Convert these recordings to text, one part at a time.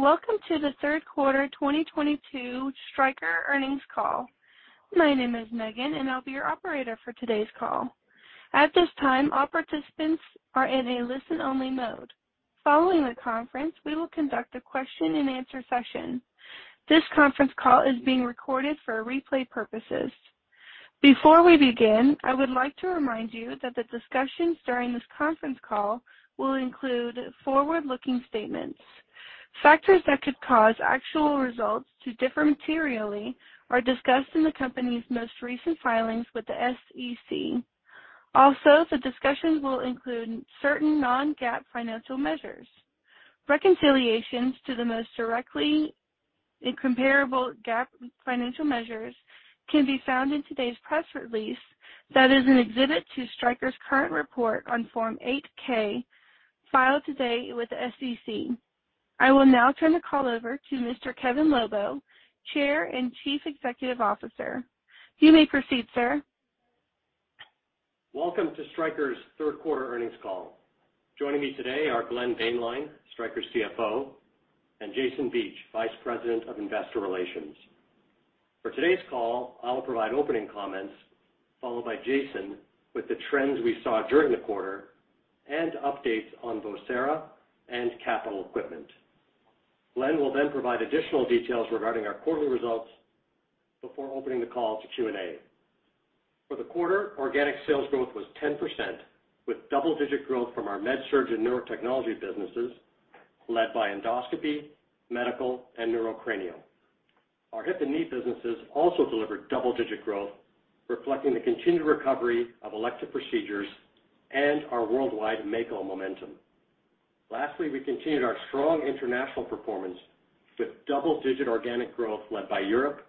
Welcome to the third quarter 2022 Stryker earnings call. My name is Megan, and I'll be your operator for today's call. At this time, all participants are in a listen-only mode. Following the conference, we will conduct a question-and-answer session. This conference call is being recorded for replay purposes. Before we begin, I would like to remind you that the discussions during this conference call will include forward-looking statements. Factors that could cause actual results to differ materially are discussed in the company's most recent filings with the SEC. Also, the discussions will include certain non-GAAP financial measures. Reconciliations to the most directly and comparable GAAP financial measures can be found in today's press release that is an exhibit to Stryker's current report on Form 8-K filed today with the SEC. I will now turn the call over to Mr. Kevin Lobo, Chair and Chief Executive Officer. You may proceed, sir. Welcome to Stryker's third quarter earnings call. Joining me today are Glenn Boehnlein, Stryker's CFO, and Jason Beach, Vice President of Investor Relations. For today's call, I will provide opening comments, followed by Jason with the trends we saw during the quarter and updates on Vocera and capital equipment. Glenn will then provide additional details regarding our quarterly results before opening the call to Q&A. For the quarter, organic sales growth was 10%, with double-digit growth from our MedSurg and Neurotechnology businesses, led by endoscopy, medical, and neurocranial. Our hip and knee businesses also delivered double-digit growth, reflecting the continued recovery of elective procedures and our worldwide Mako momentum. Lastly, we continued our strong international performance with double-digit organic growth led by Europe,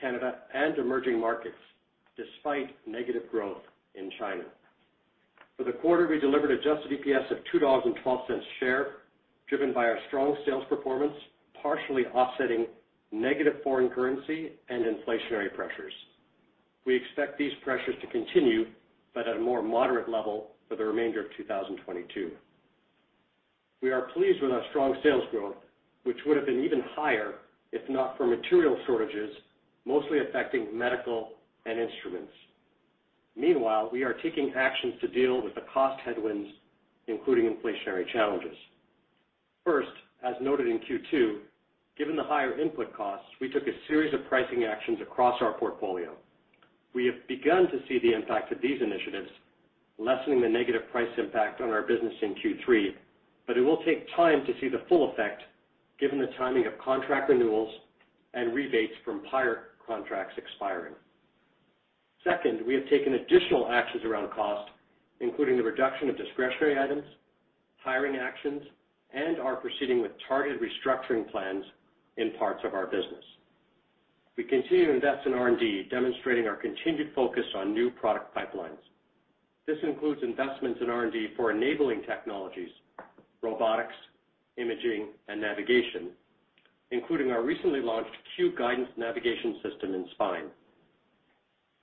Canada, and emerging markets, despite negative growth in China. For the quarter, we delivered adjusted EPS of $2.12 per share, driven by our strong sales performance, partially offsetting negative foreign currency and inflationary pressures. We expect these pressures to continue but at a more moderate level for the remainder of 2022. We are pleased with our strong sales growth, which would have been even higher if not for material shortages, mostly affecting MedSurg and Instruments. Meanwhile, we are taking actions to deal with the cost headwinds, including inflationary challenges. First, as noted in Q2, given the higher input costs, we took a series of pricing actions across our portfolio. We have begun to see the impact of these initiatives, lessening the negative price impact on our business in Q3, but it will take time to see the full effect given the timing of contract renewals and rebates from prior contracts expiring. Second, we have taken additional actions around cost, including the reduction of discretionary items, hiring actions, and are proceeding with targeted restructuring plans in parts of our business. We continue to invest in R&D, demonstrating our continued focus on new product pipelines. This includes investments in R&D for enabling technologies, robotics, imaging, and navigation, including our recently launched Q Guidance navigation system in spine.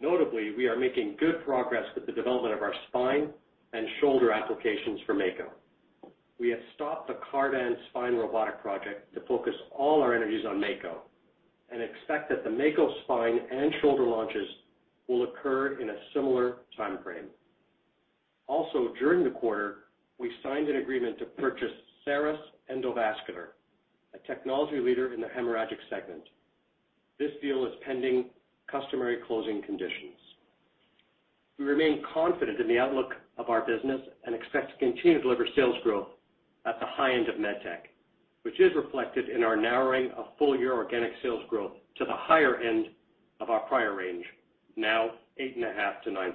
Notably, we are making good progress with the development of our spine and shoulder applications for Mako. We have stopped the Cardan spine robotic project to focus all our energies on Mako and expect that the Mako spine and shoulder launches will occur in a similar time frame. Also, during the quarter, we signed an agreement to purchase Cerus Endovascular, a technology leader in the hemorrhagic segment. This deal is pending customary closing conditions. We remain confident in the outlook of our business and expect to continue to deliver sales growth at the high end of med tech, which is reflected in our narrowing of full-year organic sales growth to the higher end of our prior range, now 8.5%-9%.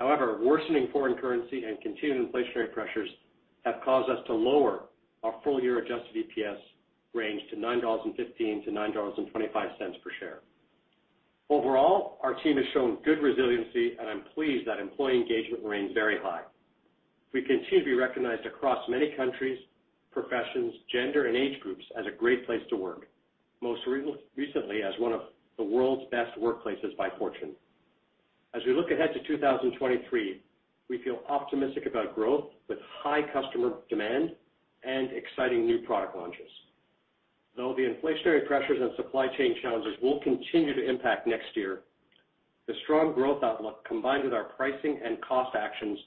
However, worsening foreign currency and continued inflationary pressures have caused us to lower our full-year adjusted EPS range to $9.15-$9.25 per share. Overall, our team has shown good resiliency, and I'm pleased that employee engagement remains very high. We continue to be recognized across many countries, professions, gender, and age groups as a great place to work, most recently as one of the world's best workplaces by Fortune. As we look ahead to 2023, we feel optimistic about growth with high customer demand and exciting new product launches. Though the inflationary pressures and supply chain challenges will continue to impact next year, the strong growth outlook combined with our pricing and cost actions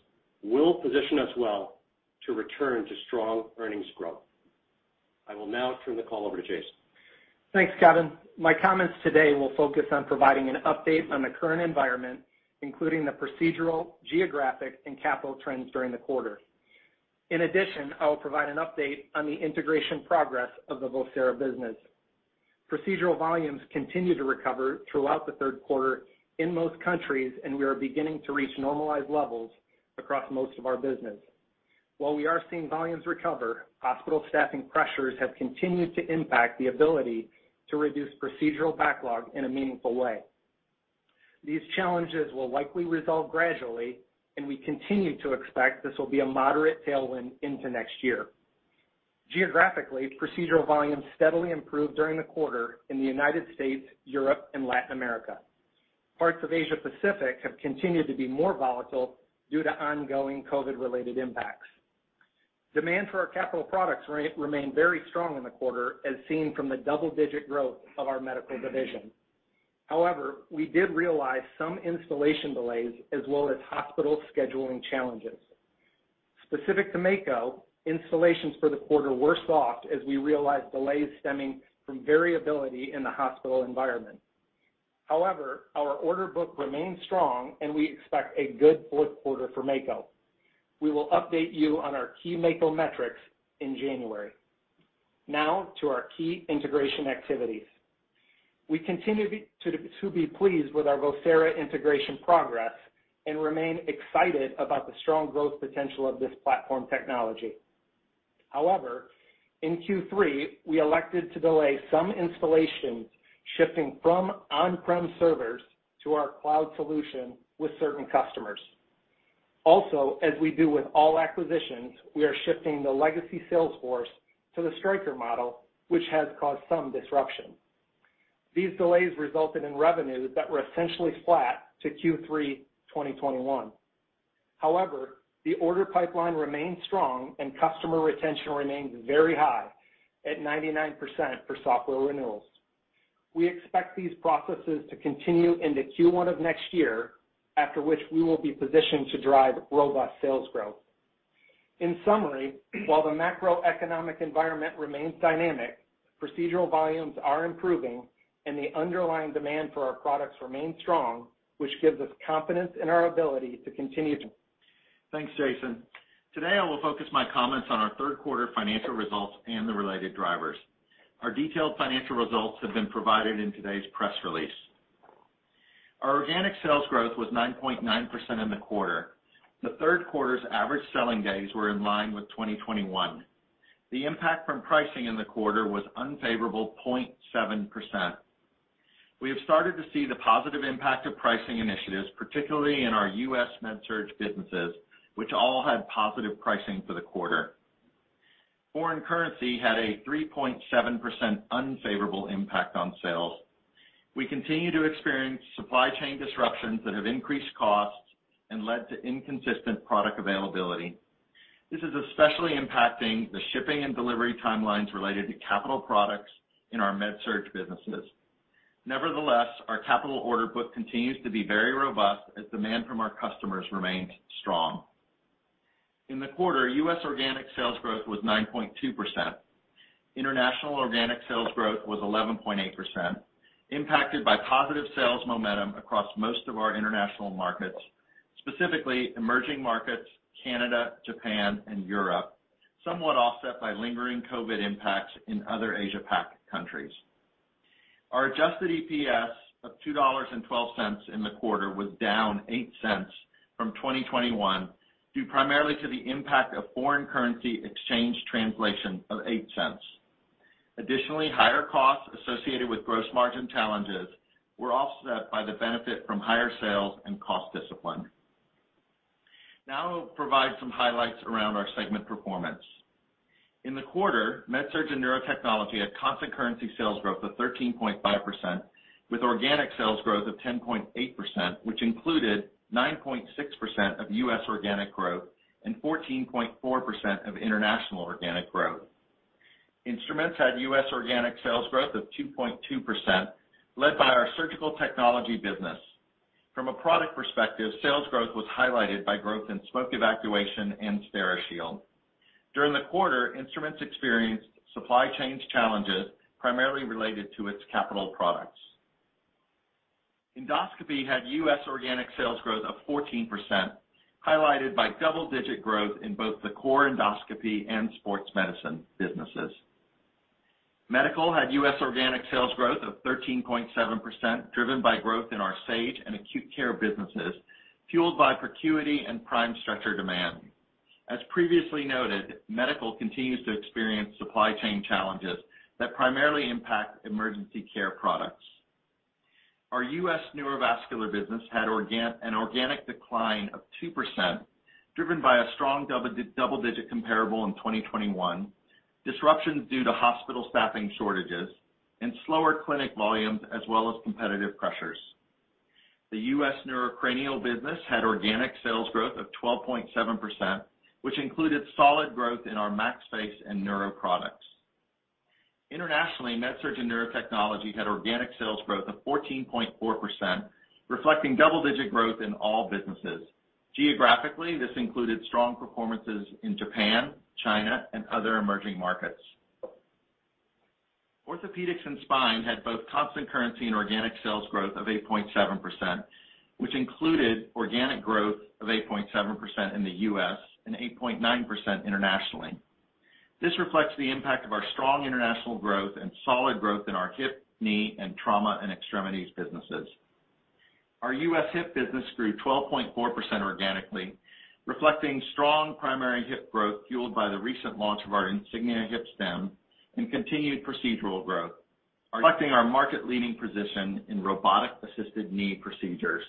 will position us well to return to strong earnings growth. I will now turn the call over to Jason Beach. Thanks, Kevin. My comments today will focus on providing an update on the current environment, including the procedural, geographic, and capital trends during the quarter. In addition, I will provide an update on the integration progress of the Vocera business. Procedural volumes continue to recover throughout the third quarter in most countries, and we are beginning to reach normalized levels across most of our business. While we are seeing volumes recover, hospital staffing pressures have continued to impact the ability to reduce procedural backlog in a meaningful way. These challenges will likely resolve gradually, and we continue to expect this will be a moderate tailwind into next year. Geographically, procedural volumes steadily improved during the quarter in the United States, Europe, and Latin America. Parts of Asia Pacific have continued to be more volatile due to ongoing COVID related impacts. Demand for our capital products remain very strong in the quarter as seen from the double-digit growth of our medical division. However, we did realize some installation delays as well as hospital scheduling challenges. Specific to Mako, installations for the quarter were soft as we realized delays stemming from variability in the hospital environment. However, our order book remains strong, and we expect a good fourth quarter for Mako. We will update you on our key Mako metrics in January. Now to our key integration activities. We continue to be pleased with our Vocera integration progress and remain excited about the strong growth potential of this platform technology. However, in Q3, we elected to delay some installations, shifting from on-prem servers to our cloud solution with certain customers. As we do with all acquisitions, we are shifting the legacy sales force to the Stryker model, which has caused some disruption. These delays resulted in revenues that were essentially flat to Q3 2021. However, the order pipeline remains strong and customer retention remains very high at 99% for software renewals. We expect these processes to continue into Q1 of next year, after which we will be positioned to drive robust sales growth. In summary, while the macroeconomic environment remains dynamic, procedural volumes are improving and the underlying demand for our products remain strong, which gives us confidence in our ability to continue to. Thanks, Jason. Today, I will focus my comments on our third quarter financial results and the related drivers. Our detailed financial results have been provided in today's press release. Our organic sales growth was 9.9% in the quarter. The third quarter's average selling days were in line with 2021. The impact from pricing in the quarter was unfavorable 0.7%. We have started to see the positive impact of pricing initiatives, particularly in our US MedSurg businesses, which all had positive pricing for the quarter. Foreign currency had a 3.7% unfavorable impact on sales. We continue to experience supply chain disruptions that have increased costs and led to inconsistent product availability. This is especially impacting the shipping and delivery timelines related to capital products in our MedSurg businesses. Nevertheless, our capital order book continues to be very robust as demand from our customers remains strong. In the quarter, U.S. organic sales growth was 9.2%. International organic sales growth was 11.8%, impacted by positive sales momentum across most of our international markets, specifically emerging markets, Canada, Japan and Europe, somewhat offset by lingering COVID impacts in other Asia Pac countries. Our adjusted EPS of $2.12 in the quarter was down $0.08 from 2021, due primarily to the impact of foreign currency exchange translation of $0.08. Additionally, higher costs associated with gross margin challenges were offset by the benefit from higher sales and cost discipline. Now I'll provide some highlights around our segment performance. In the quarter, MedSurg and Neurotechnology had constant currency sales growth of 13.5% with organic sales growth of 10.8%, which included 9.6% of U.S. organic growth and 14.4% of international organic growth. Instruments had U.S. organic sales growth of 2.2%, led by our surgical technology business. From a product perspective, sales growth was highlighted by growth in smoke evacuation and Steri-Shield. During the quarter, Instruments experienced supply chain challenges, primarily related to its capital products. Endoscopy had U.S. organic sales growth of 14%, highlighted by double-digit growth in both the core endoscopy and sports medicine businesses. Medical had U.S. organic sales growth of 13.7%, driven by growth in our Sage and acute care businesses, fueled by ProCuity and Prime stretcher demand. As previously noted, medical continues to experience supply chain challenges that primarily impact emergency care products. Our U.S. neurovascular business had an organic decline of 2%, driven by a strong double-digit comparable in 2021, disruptions due to hospital staffing shortages and slower clinic volumes, as well as competitive pressures. The U.S. Neurotechnology business had organic sales growth of 12.7%, which included solid growth in our Maxillofacial and neuro products. Internationally, MedSurg and Neurotechnology had organic sales growth of 14.4%, reflecting double-digit growth in all businesses. Geographically, this included strong performances in Japan, China, and other emerging markets. Orthopedics and spine had both constant currency and organic sales growth of 8.7%, which included organic growth of 8.7% in the U.S. and 8.9% internationally. This reflects the impact of our strong international growth and solid growth in our hip, knee, and trauma and extremities businesses. Our U.S. hip business grew 12.4% organically, reflecting strong primary hip growth fueled by the recent launch of our Insignia hip stem and continued procedural growth. Reflecting our market-leading position in robotic-assisted knee procedures.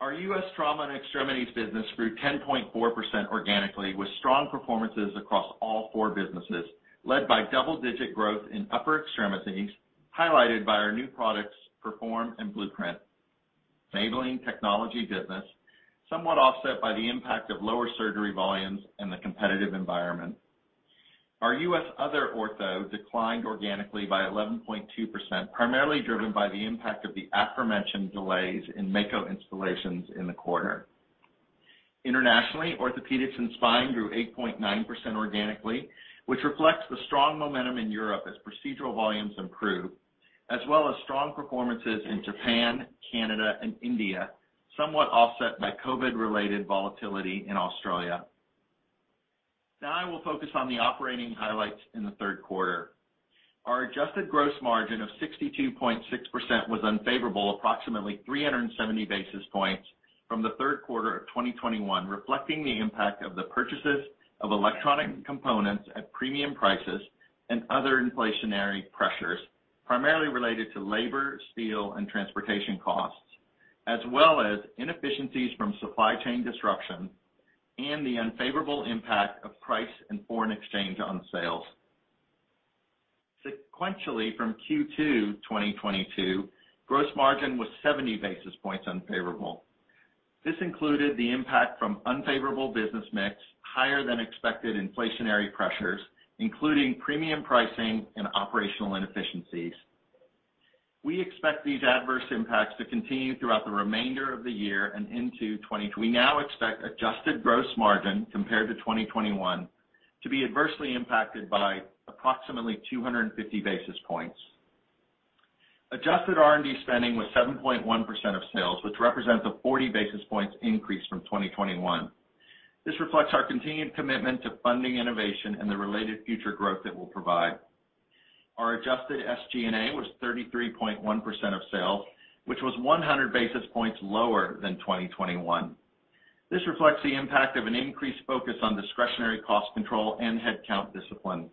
Our US trauma and extremities business grew 10.4% organically, with strong performances across all four businesses, led by double-digit growth in upper extremities, highlighted by our new products, Perform and Blueprint, enabling technology business, somewhat offset by the impact of lower surgery volumes and the competitive environment. Our U.S. other ortho declined organically by 11.2%, primarily driven by the impact of the aforementioned delays in Mako installations in the quarter. Internationally, orthopedics and spine grew 8.9% organically, which reflects the strong momentum in Europe as procedural volumes improve, as well as strong performances in Japan, Canada and India, somewhat offset by COVID-related volatility in Australia. Now I will focus on the operating highlights in the third quarter. Our adjusted gross margin of 62.6% was unfavorable approximately 370 basis points from the third quarter of 2021, reflecting the impact of the purchases of electronic components at premium prices and other inflationary pressures, primarily related to labor, steel and transportation costs, as well as inefficiencies from supply chain disruption and the unfavorable impact of price and foreign exchange on sales. Sequentially, from Q2 2022, gross margin was 70 basis points unfavorable. This included the impact from unfavorable business mix, higher than expected inflationary pressures, including premium pricing and operational inefficiencies. We expect these adverse impacts to continue throughout the remainder of the year. We now expect adjusted gross margin compared to 2021 to be adversely impacted by approximately 250 basis points. Adjusted R&D spending was 7.1% of sales, which represents a 40 basis points increase from 2021. This reflects our continued commitment to funding innovation and the related future growth it will provide. Our adjusted SG&A was 33.1% of sales, which was 100 basis points lower than 2021. This reflects the impact of an increased focus on discretionary cost control and headcount discipline.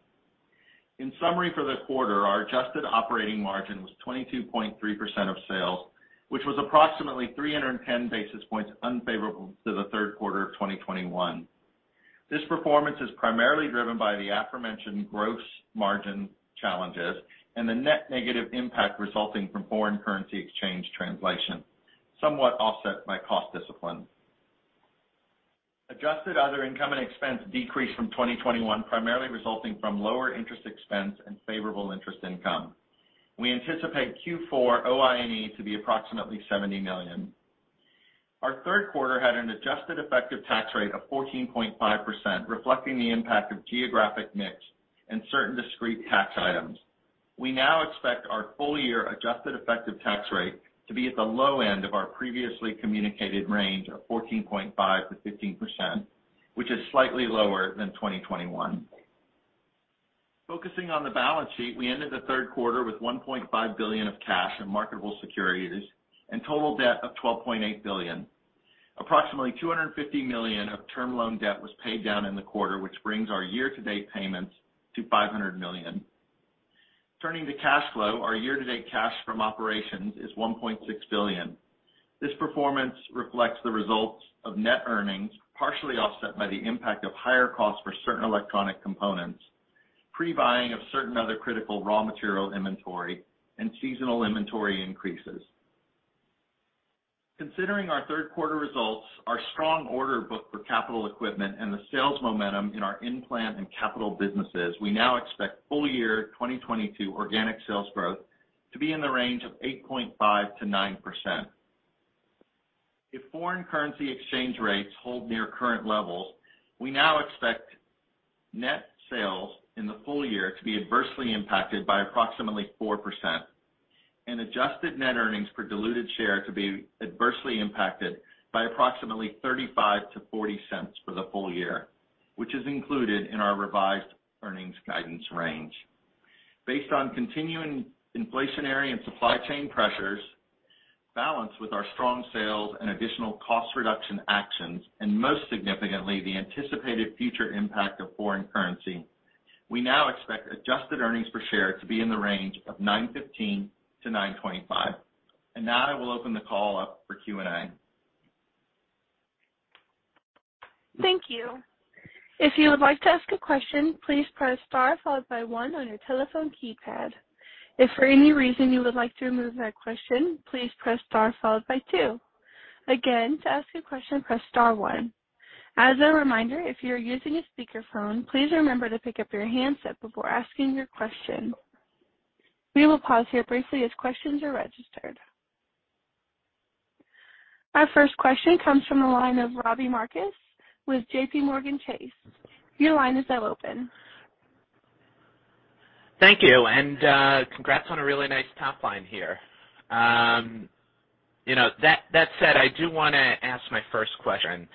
In summary, for the quarter, our adjusted operating margin was 22.3% of sales, which was approximately 310 basis points unfavorable to the third quarter of 2021. This performance is primarily driven by the aforementioned gross margin challenges and the net negative impact resulting from foreign currency exchange translation, somewhat offset by cost discipline. Adjusted other income and expense decreased from 2021, primarily resulting from lower interest expense and favorable interest income. We anticipate Q4 OI&E to be approximately $70 million. Our third quarter had an adjusted effective tax rate of 14.5%, reflecting the impact of geographic mix and certain discrete tax items. We now expect our full year adjusted effective tax rate to be at the low end of our previously communicated range of 14.5%-15%, which is slightly lower than 2021. Focusing on the balance sheet, we ended the third quarter with $1.5 billion of cash and marketable securities and total debt of $12.8 billion. Approximately $250 million of term loan debt was paid down in the quarter, which brings our year-to-date payments to $500 million. Turning to cash flow, our year-to-date cash from operations is $1.6 billion. This performance reflects the results of net earnings, partially offset by the impact of higher costs for certain electronic components, pre-buying of certain other critical raw material inventory and seasonal inventory increases. Considering our third quarter results, our strong order book for capital equipment and the sales momentum in our implant and capital businesses, we now expect full year 2022 organic sales growth to be in the range of 8.5%-9%. If foreign currency exchange rates hold near current levels, we now expect net sales in the full year to be adversely impacted by approximately 4% and adjusted net earnings per diluted share to be adversely impacted by approximately $0.35-$0.40 for the full year, which is included in our revised earnings guidance range. Based on continuing inflationary and supply chain pressures balanced with our strong sales and additional cost reduction actions, and most significantly, the anticipated future impact of foreign currency, we now expect adjusted earnings per share to be in the range of $9.15-$9.25. Now I will open the call up for Q&A. Thank you. If you would like to ask a question, please press star followed by one on your telephone keypad. If for any reason you would like to remove that question, please press star followed by two. Again, to ask a question, press star one. As a reminder, if you're using a speakerphone, please remember to pick up your handset before asking your question. We will pause here briefly as questions are registered. Our first question comes from the line of Robbie Marcus with JPMorgan Chase. Your line is now open. Thank you, and congrats on a really nice top line here. You know, that said, I do wanna ask my first question.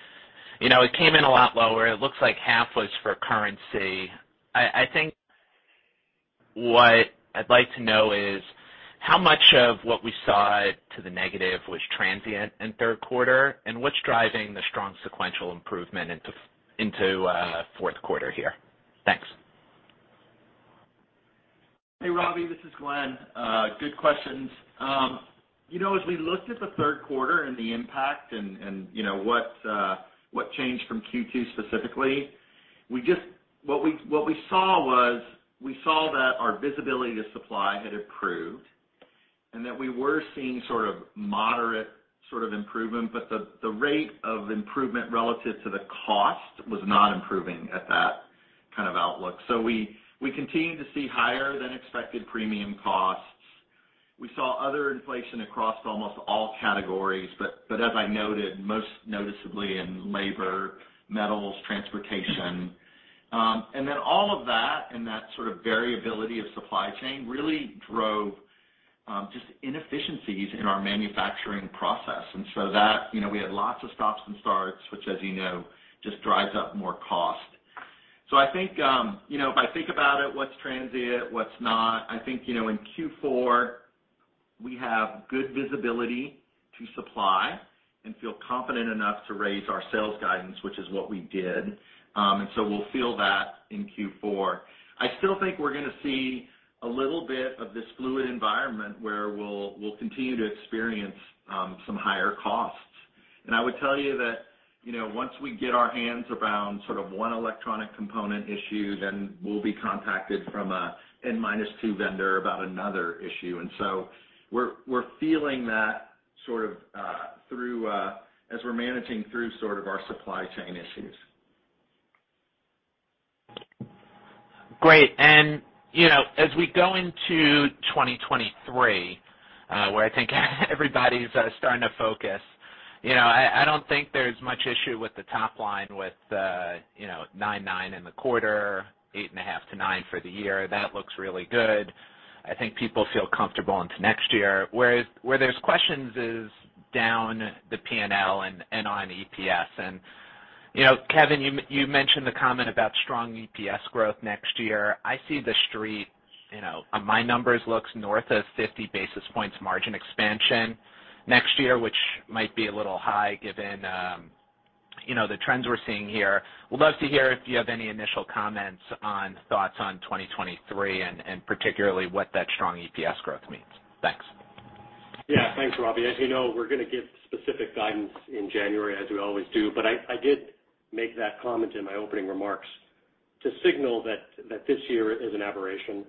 You know, it came in a lot lower. It looks like half was for currency. I think what I'd like to know is how much of what we saw to the negative was transient in third quarter, and what's driving the strong sequential improvement into fourth quarter here? Thanks. Hey, Robbie, this is Glenn. Good questions. You know, as we looked at the third quarter and the impact and you know what changed from Q2 specifically, what we saw was that our visibility to supply had improved and that we were seeing sort of moderate sort of improvement, but the rate of improvement relative to the cost was not improving at that kind of outlook. We continued to see higher than expected premium costs. We saw other inflation across almost all categories, but as I noted, most noticeably in labor, metals, transportation. Then all of that and that sort of variability of supply chain really drove just inefficiencies in our manufacturing process. That, you know, we had lots of stops and starts, which as you know, just drives up more cost. I think, you know, if I think about it, what's transient, what's not, I think, you know, in Q4, we have good visibility to supply and feel confident enough to raise our sales guidance, which is what we did. We'll feel that in Q4. I still think we're gonna see a little bit of this fluid environment where we'll continue to experience some higher costs. I would tell you that, you know, once we get our hands around sort of one electronic component issue, then we'll be contacted from a N-minus two vendor about another issue. We're feeling that sort of through as we're managing through sort of our supply chain issues. Great. You know, as we go into 2023, where I think everybody's starting to focus, you know, I don't think there's much issue with the top line with, you know, 9.9% in the quarter, 8.5%-9% for the year. That looks really good. I think people feel comfortable into next year. Where there's questions is down the P&L and on EPS. You know, Kevin, you mentioned the comment about strong EPS growth next year. I see the street, you know, on my numbers looks north of 50 basis points margin expansion next year, which might be a little high given, you know, the trends we're seeing here. Would love to hear if you have any initial comments on thoughts on 2023 and particularly what that strong EPS growth means. Thanks. Yeah. Thanks, Robbie. As you know, we're gonna give specific guidance in January as we always do, but I did make that comment in my opening remarks to signal that this year is an aberration.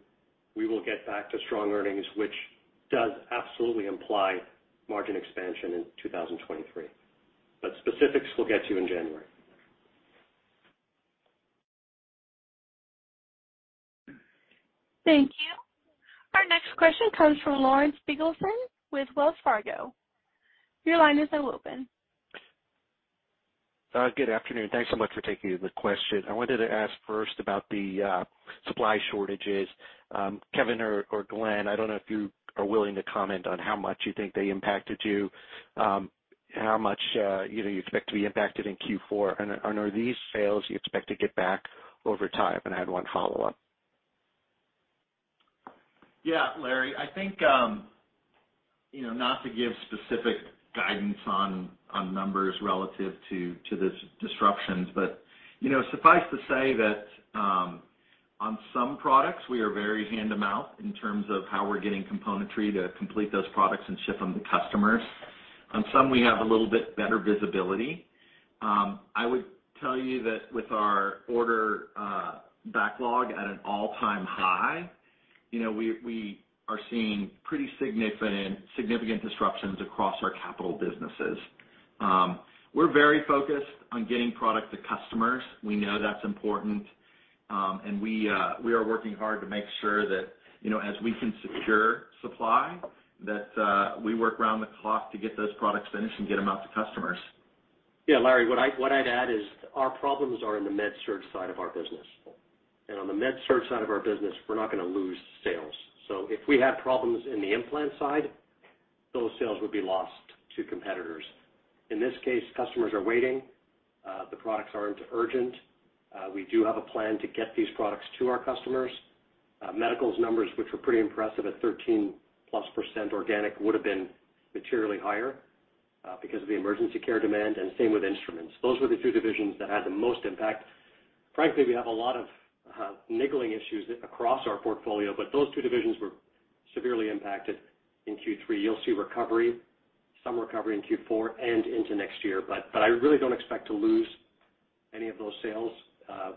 We will get back to strong earnings, which does absolutely imply margin expansion in 2023. Specifics we'll get to you in January. Thank you. Our next question comes from Larry Biegelsen with Wells Fargo. Your line is now open. Good afternoon. Thanks so much for taking the question. I wanted to ask first about the supply shortages. Kevin Lobo or Glenn Boehnlein, I don't know if you are willing to comment on how much you think they impacted you know, you expect to be impacted in Q4, and are these sales you expect to get back over time? I had one follow-up. Yeah, Larry Biegelsen, I think, you know, not to give specific guidance on numbers relative to this disruptions, but, you know, suffice to say that, on some products, we are very hand-to-mouth in terms of how we're getting componentry to complete those products and ship them to customers. On some, we have a little bit better visibility. I would tell you that with our order backlog at an all-time high, you know, we are seeing pretty significant disruptions across our capital businesses. We're very focused on getting product to customers. We know that's important. We are working hard to make sure that, you know, as we can secure supply, that we work around the clock to get those products finished and get them out to customers. Yeah, Larry, what I'd add is our problems are in the MedSurg side of our business. On the MedSurg side of our business, we're not gonna lose sales. If we have problems in the implant side, those sales would be lost to competitors. In this case, customers are waiting. The products aren't urgent. We do have a plan to get these products to our customers. Medical's numbers, which were pretty impressive at 13%+ organic, would have been materially higher, because of the emergency care demand, and same with instruments. Those were the two divisions that had the most impact. Frankly, we have a lot of niggling issues across our portfolio, but those two divisions were severely impacted in Q3. You'll see recovery, some recovery in Q4 and into next year. I really don't expect to lose any of those sales,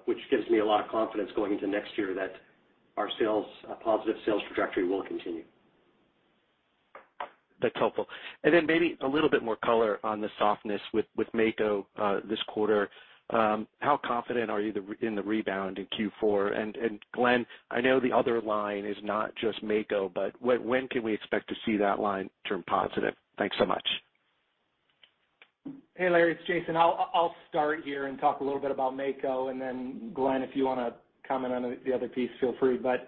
which gives me a lot of confidence going into next year that our sales positive sales trajectory will continue. That's helpful. Then maybe a little bit more color on the softness with Mako this quarter. How confident are you in the rebound in Q4? Glenn, I know the other line is not just Mako, but when can we expect to see that line turn positive? Thanks so much. Hey, Larry, it's Jason. I'll start here and talk a little bit about Mako, and then Glenn, if you wanna comment on the other piece, feel free. As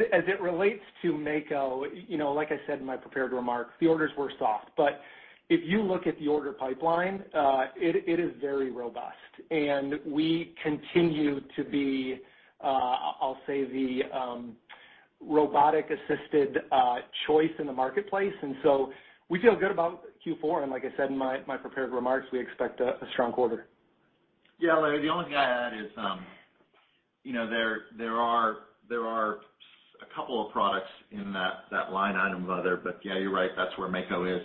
it relates to Mako, you know, like I said in my prepared remarks, the orders were soft. If you look at the order pipeline, it is very robust. We continue to be, I'll say the robotic-assisted choice in the marketplace. We feel good about Q4. Like I said in my prepared remarks, we expect a strong quarter. Yeah, Larry, the only thing I add is, you know, there are a couple of products in that line item, but yeah, you're right, that's where Mako is.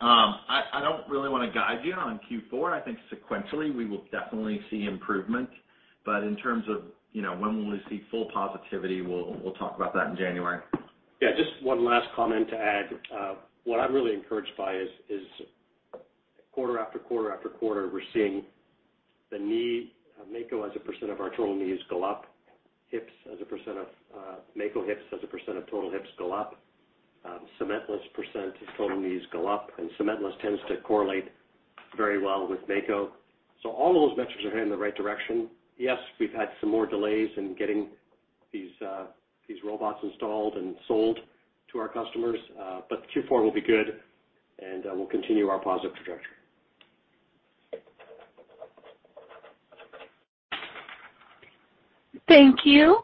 I don't really wanna guide you on Q4. I think sequentially, we will definitely see improvement. In terms of, you know, when will we see full positivity, we'll talk about that in January. Yeah, just one last comment to add. What I'm really encouraged by is quarter after quarter after quarter, we're seeing the knee, Mako as a percent of our total knees go up, hips as a percent of, Mako hips as a percent of total hips go up. Cementless was percent of total knees go up, and cementless tends to correlate very well with Mako. All of those metrics are heading in the right direction. Yes, we've had some more delays in getting these robots installed and sold to our customers, but Q4 will be good, and we'll continue our positive trajectory. Thank you.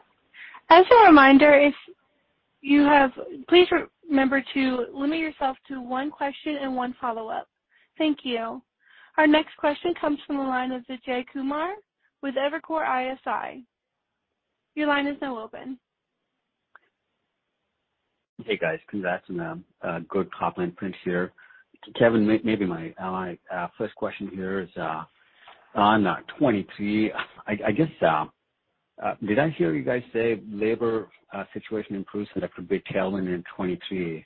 As a reminder, please remember to limit yourself to one question and one follow-up. Thank you. Our next question comes from the line of Vijay Kumar with Evercore ISI. Your line is now open. Hey, guys. Congrats on a good top-line print here. Kevin, maybe my first question here is on 2023. I guess did I hear you guys say labor situation improves and that could be tailwind in 2023?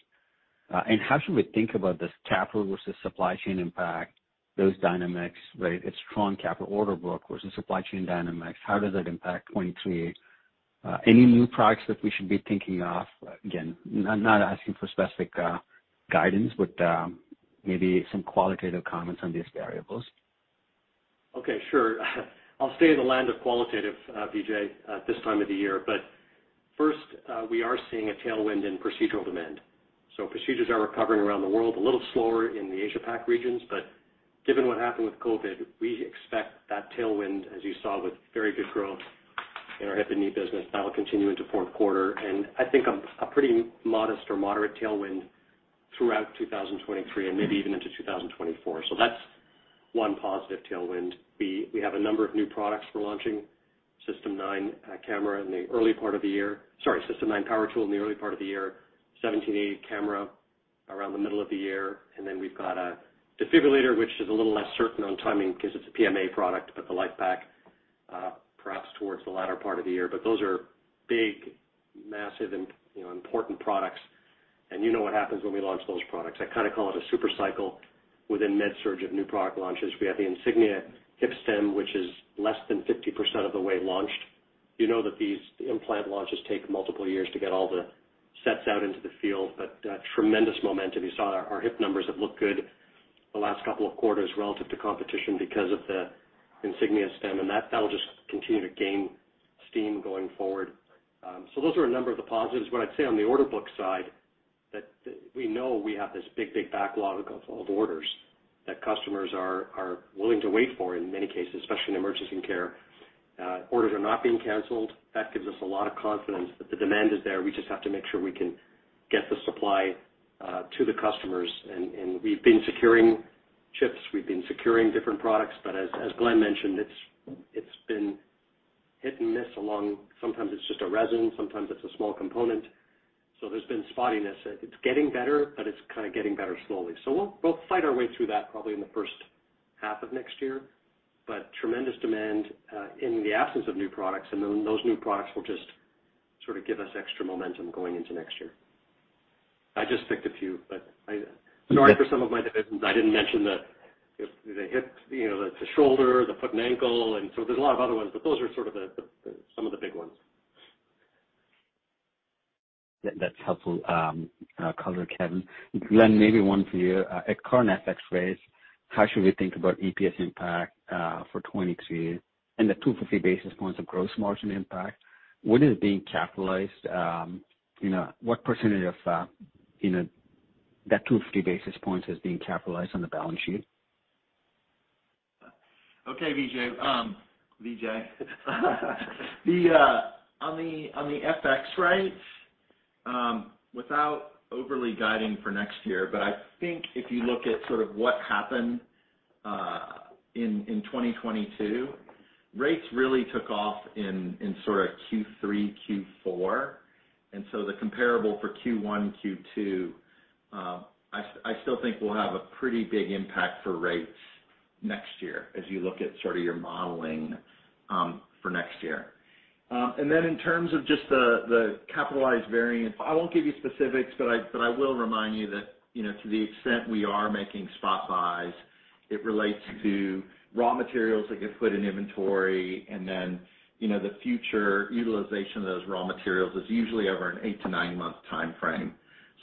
How should we think about this capital versus supply chain impact, those dynamics, right? It's strong capital order book versus supply chain dynamics. How does that impact 2023? Any new products that we should be thinking of? Again, not asking for specific guidance, but maybe some qualitative comments on these variables. Okay. Sure. I'll stay in the land of qualitative, Vijay, at this time of the year. First, we are seeing a tailwind in procedural demand. Procedures are recovering around the world, a little slower in the Asia Pac regions. Given what happened with COVID, we expect that tailwind, as you saw with very good growth in our hip and knee business, that'll continue into fourth quarter. I think a pretty modest or moderate tailwind throughout 2023 and maybe even into 2024. That's one positive tailwind. We have a number of new products we're launching. System 9 camera in the early part of the year. Sorry, System 9 power tool in the early part of the year, 1788 camera around the middle of the year. Then we've got a defibrillator, which is a little less certain on timing because it's a PMA product, but the LIFEPAK perhaps towards the latter part of the year. Those are big, massive and, you know, important products. You know what happens when we launch those products. I kinda call it a super cycle within MedSurg of new product launches. We have the Insignia hip stem, which is less than 50% of the way launched. You know that these implant launches take multiple years to get all the sets out into the field. Tremendous momentum. You saw our hip numbers have looked good the last couple of quarters relative to competition because of the Insignia stem, and that'll just continue to gain steam going forward. Those are a number of the positives. What I'd say on the order book side that we know we have this big backlog of orders that customers are willing to wait for in many cases, especially in emergency care. Orders are not being canceled. That gives us a lot of confidence that the demand is there. We just have to make sure we can get the supply to the customers. We've been securing chips, we've been securing different products. But as Glenn mentioned, it's been hit and miss all along. Sometimes it's just a resin, sometimes it's a small component. So there's been spottiness. It's getting better, but it's kinda getting better slowly. We'll fight our way through that probably in the first half of next year. But tremendous demand in the absence of new products. Those new products will just sort of give us extra momentum going into next year. I just picked a few, but sorry for some of my divisions. I didn't mention the hip, you know, the shoulder, the foot and ankle, and so there's a lot of other ones, but those are sort of the some of the big ones. That's helpful, color, Kevin. Glenn, maybe one for you. At current FX rates, how should we think about EPS impact for 2023 and the 250 basis points of gross margin impact? What is being capitalized? You know, what percentage of, you know, that 250 basis points is being capitalized on the balance sheet? Okay, Vijay. On the FX rates without overly guiding for next year, but I think if you look at sort of what happened in 2022, rates really took off in sort of Q3, Q4. The comparable for Q1, Q2, I still think we'll have a pretty big impact for rates next year as you look at sort of your modeling for next year. In terms of just the capitalized variance, I won't give you specifics, but I will remind you that, you know, to the extent we are making spot buys, it relates to raw materials that get put in inventory. You know, the future utilization of those raw materials is usually over an 8- to 9-month timeframe.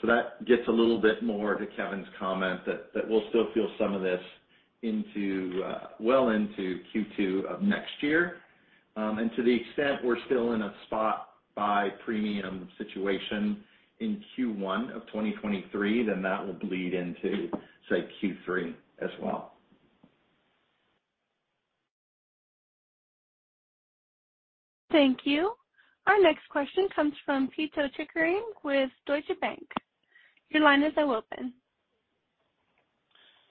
That gets a little bit more to Kevin's comment that we'll still feel some of this into well into Q2 of next year. To the extent we're still in a spot buy premium situation in Q1 of 2023, then that will bleed into, say, Q3 as well. Thank you. Our next question comes from Pito Chickering with Deutsche Bank. Your line is now open.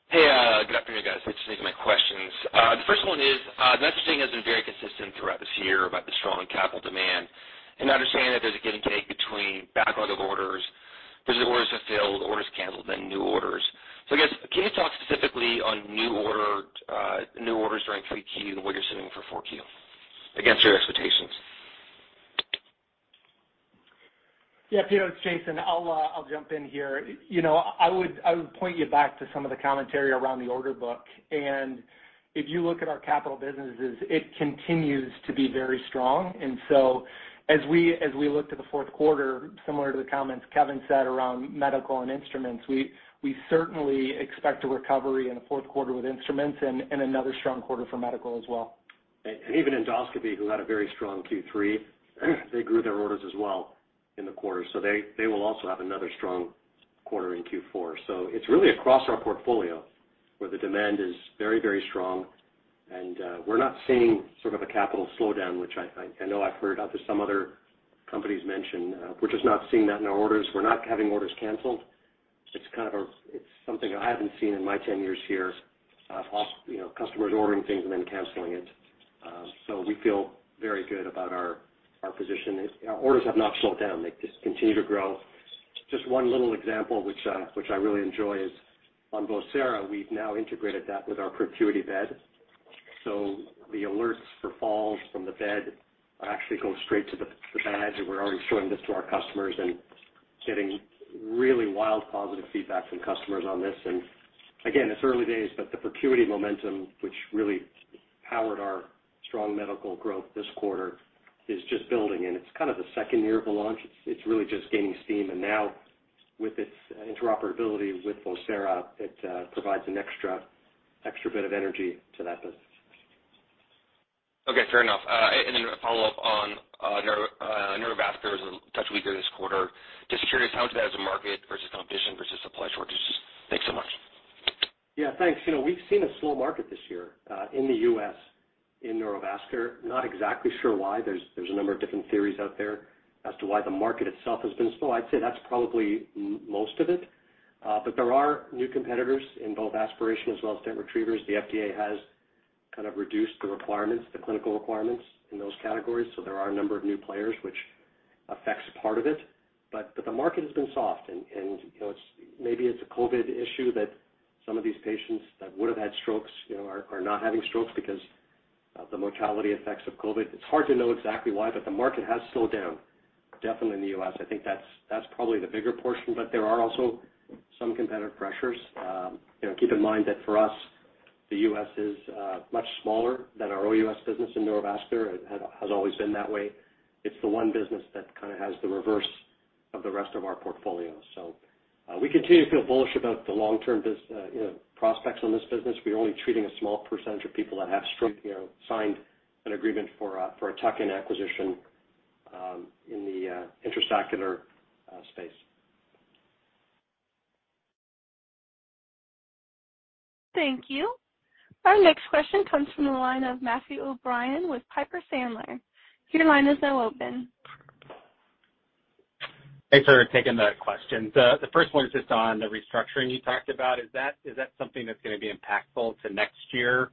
Hey, good afternoon, guys. Thanks for taking my questions. The first one is, the messaging has been very consistent throughout this year about the strong capital demand. I understand that there's a give and take between backlog of orders. There's orders fulfilled, orders canceled, then new orders. I guess, can you talk specifically on new orders during 3Q and what you're seeing for 4Q against your expectations? Yeah, Pete, it's Jason. I'll jump in here. You know, I would point you back to some of the commentary around the order book. If you look at our capital businesses, it continues to be very strong. As we look to the fourth quarter, similar to the comments Kevin said around medical and instruments, we certainly expect a recovery in the fourth quarter with instruments and another strong quarter for medical as well. Even Endoscopy, which had a very strong Q3, grew their orders as well in the quarter. They will also have another strong quarter in Q4. It's really across our portfolio where the demand is very, very strong. We're not seeing sort of a capital slowdown, which I know I've heard out to some other companies mention. We're just not seeing that in our orders. We're not having orders canceled. It's something I haven't seen in my 10 years here, you know, of customers ordering things and then canceling it. We feel very good about our position. Our orders have not slowed down. They just continue to grow. Just one little example, which I really enjoy is on Vocera. We've now integrated that with our ProCuity bed. The alerts for falls from the bed actually go straight to the badge, and we're already showing this to our customers and getting really wild positive feedback from customers on this. Again, it's early days, but the ProCuity momentum, which really powered our strong medical growth this quarter, is just building, and it's kind of the second year of the launch. It's really just gaining steam. Now with its interoperability with Vocera, it provides an extra bit of energy to that business. Okay, fair enough. A follow-up on Neurovascular is a touch weaker this quarter. Just curious how much of that is a market versus competition versus supply shortages? Thanks so much. Yeah, thanks. You know, we've seen a slow market this year in the U.S. in neurovascular. Not exactly sure why. There's a number of different theories out there as to why the market itself has been slow. I'd say that's probably most of it. But there are new competitors in both aspiration as well as stent retrievers. The FDA has kind of reduced the requirements, the clinical requirements in those categories. So there are a number of new players which affects part of it. But the market has been soft and, you know, it's maybe it's a COVID issue that some of these patients that would have had strokes, you know, are not having strokes because of the mortality effects of COVID. It's hard to know exactly why, but the market has slowed down definitely in the U.S. I think that's probably the bigger portion. There are also some competitive pressures. You know, keep in mind that for us, the US is much smaller than our OUS business in neurovascular. It has always been that way. It's the one business that kind of has the reverse of the rest of our portfolio. We continue to feel bullish about the long-term business prospects on this business. We're only treating a small percentage of people that have stroke. You know, signed an agreement for a tuck-in acquisition in the intraocular space. Thank you. Our next question comes from the line of Matthew O'Brien with Piper Sandler. Your line is now open. Thanks for taking the questions. The first one is just on the restructuring you talked about. Is that something that's gonna be impactful to next year,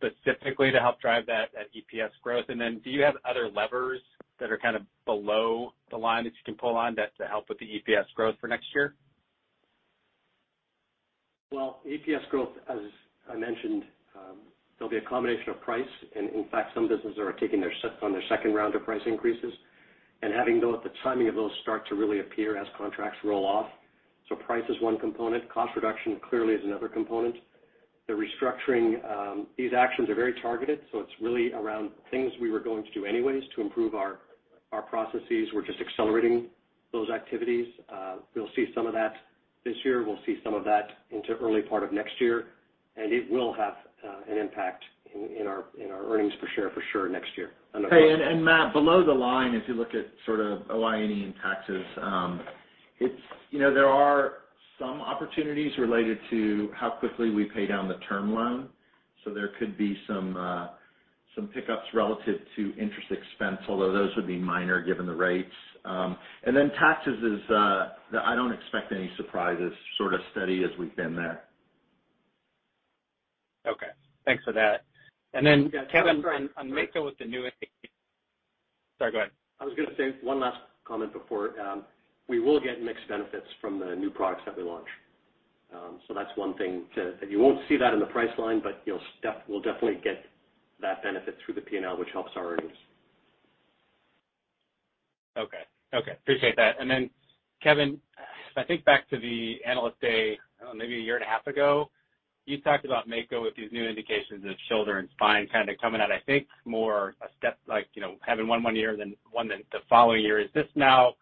specifically to help drive that EPS growth? And then do you have other levers that are kind of below the line that you can pull on that to help with the EPS growth for next year? EPS growth, as I mentioned, there'll be a combination of price, and in fact, some businesses are taking their second round of price increases and having the timing of those start to really appear as contracts roll off. Price is one component. Cost reduction clearly is another component. The restructuring, these actions are very targeted, so it's really around things we were going to do anyways to improve our processes. We're just accelerating those activities. We'll see some of that this year. We'll see some of that into early part of next year, and it will have an impact in our earnings per share for sure next year. Hey, Matt, below the line, if you look at sort of OI&E and taxes, it's, you know, there are some opportunities related to how quickly we pay down the term loan. There could be some pickups relative to interest expense, although those would be minor given the rates. Taxes is, I don't expect any surprises, sort of steady as we've been there. Okay. Thanks for that. Kevin, on Mako. Sorry, go ahead. I was gonna say one last comment before. We will get mixed benefits from the new products that we launch. So that's one thing to. You won't see that in the price line, but we'll definitely get that benefit through the P&L, which helps our earnings. Okay. Okay. Appreciate that. Then, Kevin, if I think back to the analyst day, I don't know, maybe a year and a half ago, you talked about Mako with these new indications of shoulder and spine kind of coming out, I think more a step like, you know, having one year than the following year. Is this now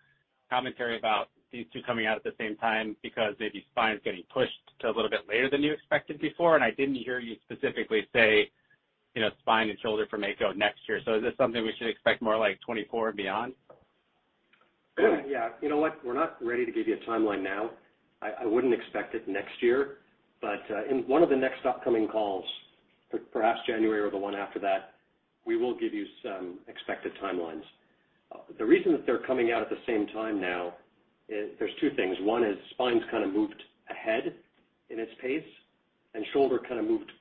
commentary about these two coming out at the same time because maybe spine's getting pushed to a little bit later than you expected before? I didn't hear you specifically say, you know, spine and shoulder for Mako next year. Is this something we should expect more like 2024 and beyond? Yeah. You know what? We're not ready to give you a timeline now. I wouldn't expect it next year, but in one of the next upcoming calls, perhaps January or the one after that, we will give you some expected timelines. The reason that they're coming out at the same time now is there's two things. One is spine's kinda moved ahead in its pace, and shoulder kinda moved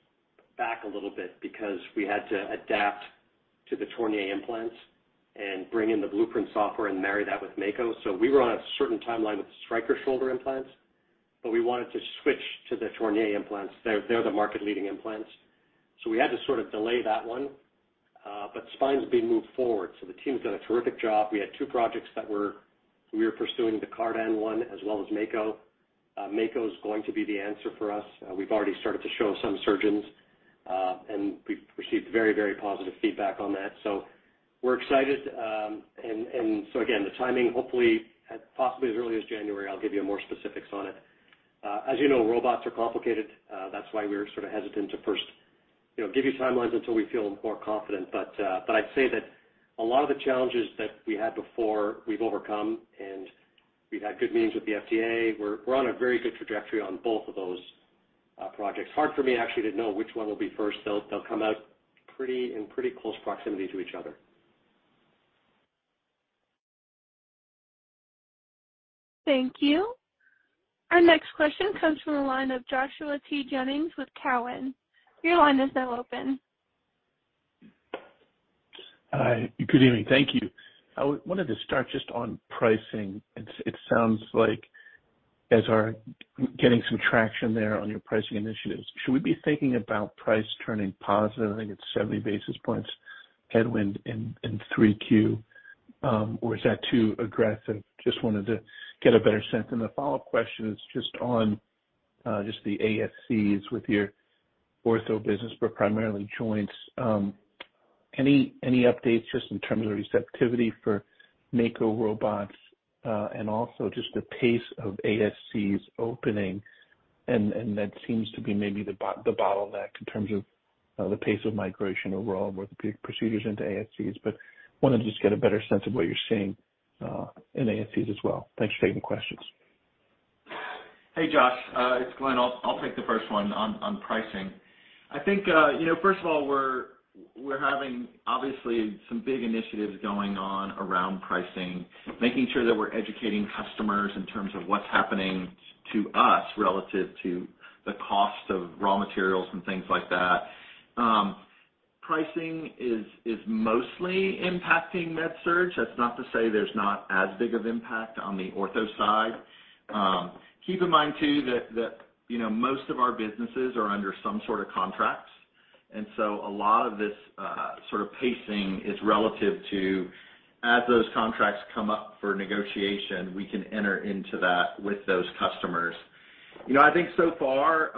back a little bit because we had to adapt to the Tornier implants and bring in the Blueprint software and marry that with Mako. We were on a certain timeline with the Stryker shoulder implants, but we wanted to switch to the Tornier implants. They're the market-leading implants. We had to sort of delay that one, but spine's being moved forward, so the team's done a terrific job. We had two projects that we were pursuing, the Cardan one as well as Mako. Mako's going to be the answer for us. We've already started to show some surgeons, and we've received very, very positive feedback on that. We're excited, and so again, the timing hopefully at possibly as early as January. I'll give you more specifics on it. As you know, robots are complicated. That's why we were sort of hesitant at first, you know, give you timelines until we feel more confident. I'd say that a lot of the challenges that we had before we've overcome, and we've had good meetings with the FDA. We're on a very good trajectory on both of those projects. Hard for me actually to know which one will be first. They'll come out in pretty close proximity to each other. Thank you. Our next question comes from the line of Joshua T. Jennings with Cowen. Your line is now open. Hi, good evening. Thank you. I wanted to start just on pricing. It sounds like guys are getting some traction there on your pricing initiatives. Should we be thinking about price turning positive? I think it's 70 basis points headwind in 3Q, or is that too aggressive? Just wanted to get a better sense. The follow-up question is just on the ASCs with your ortho business, but primarily joints. Any updates just in terms of the receptivity for Mako Robots, and also just the pace of ASCs opening, and that seems to be maybe the bottleneck in terms of the pace of migration overall with the procedures into ASCs. Wanted to just get a better sense of what you're seeing in ASCs as well. Thanks for taking the questions. Hey, Josh. It's Glenn. I'll take the first one on pricing. I think you know, first of all, we're having obviously some big initiatives going on around pricing, making sure that we're educating customers in terms of what's happening to us relative to the cost of raw materials and things like that. Pricing is mostly impacting MedSurg. That's not to say there's not as big of impact on the ortho side. Keep in mind too that you know, most of our businesses are under some sort of contracts. A lot of this sort of pacing is relative to as those contracts come up for negotiation, we can enter into that with those customers. You know, I think so far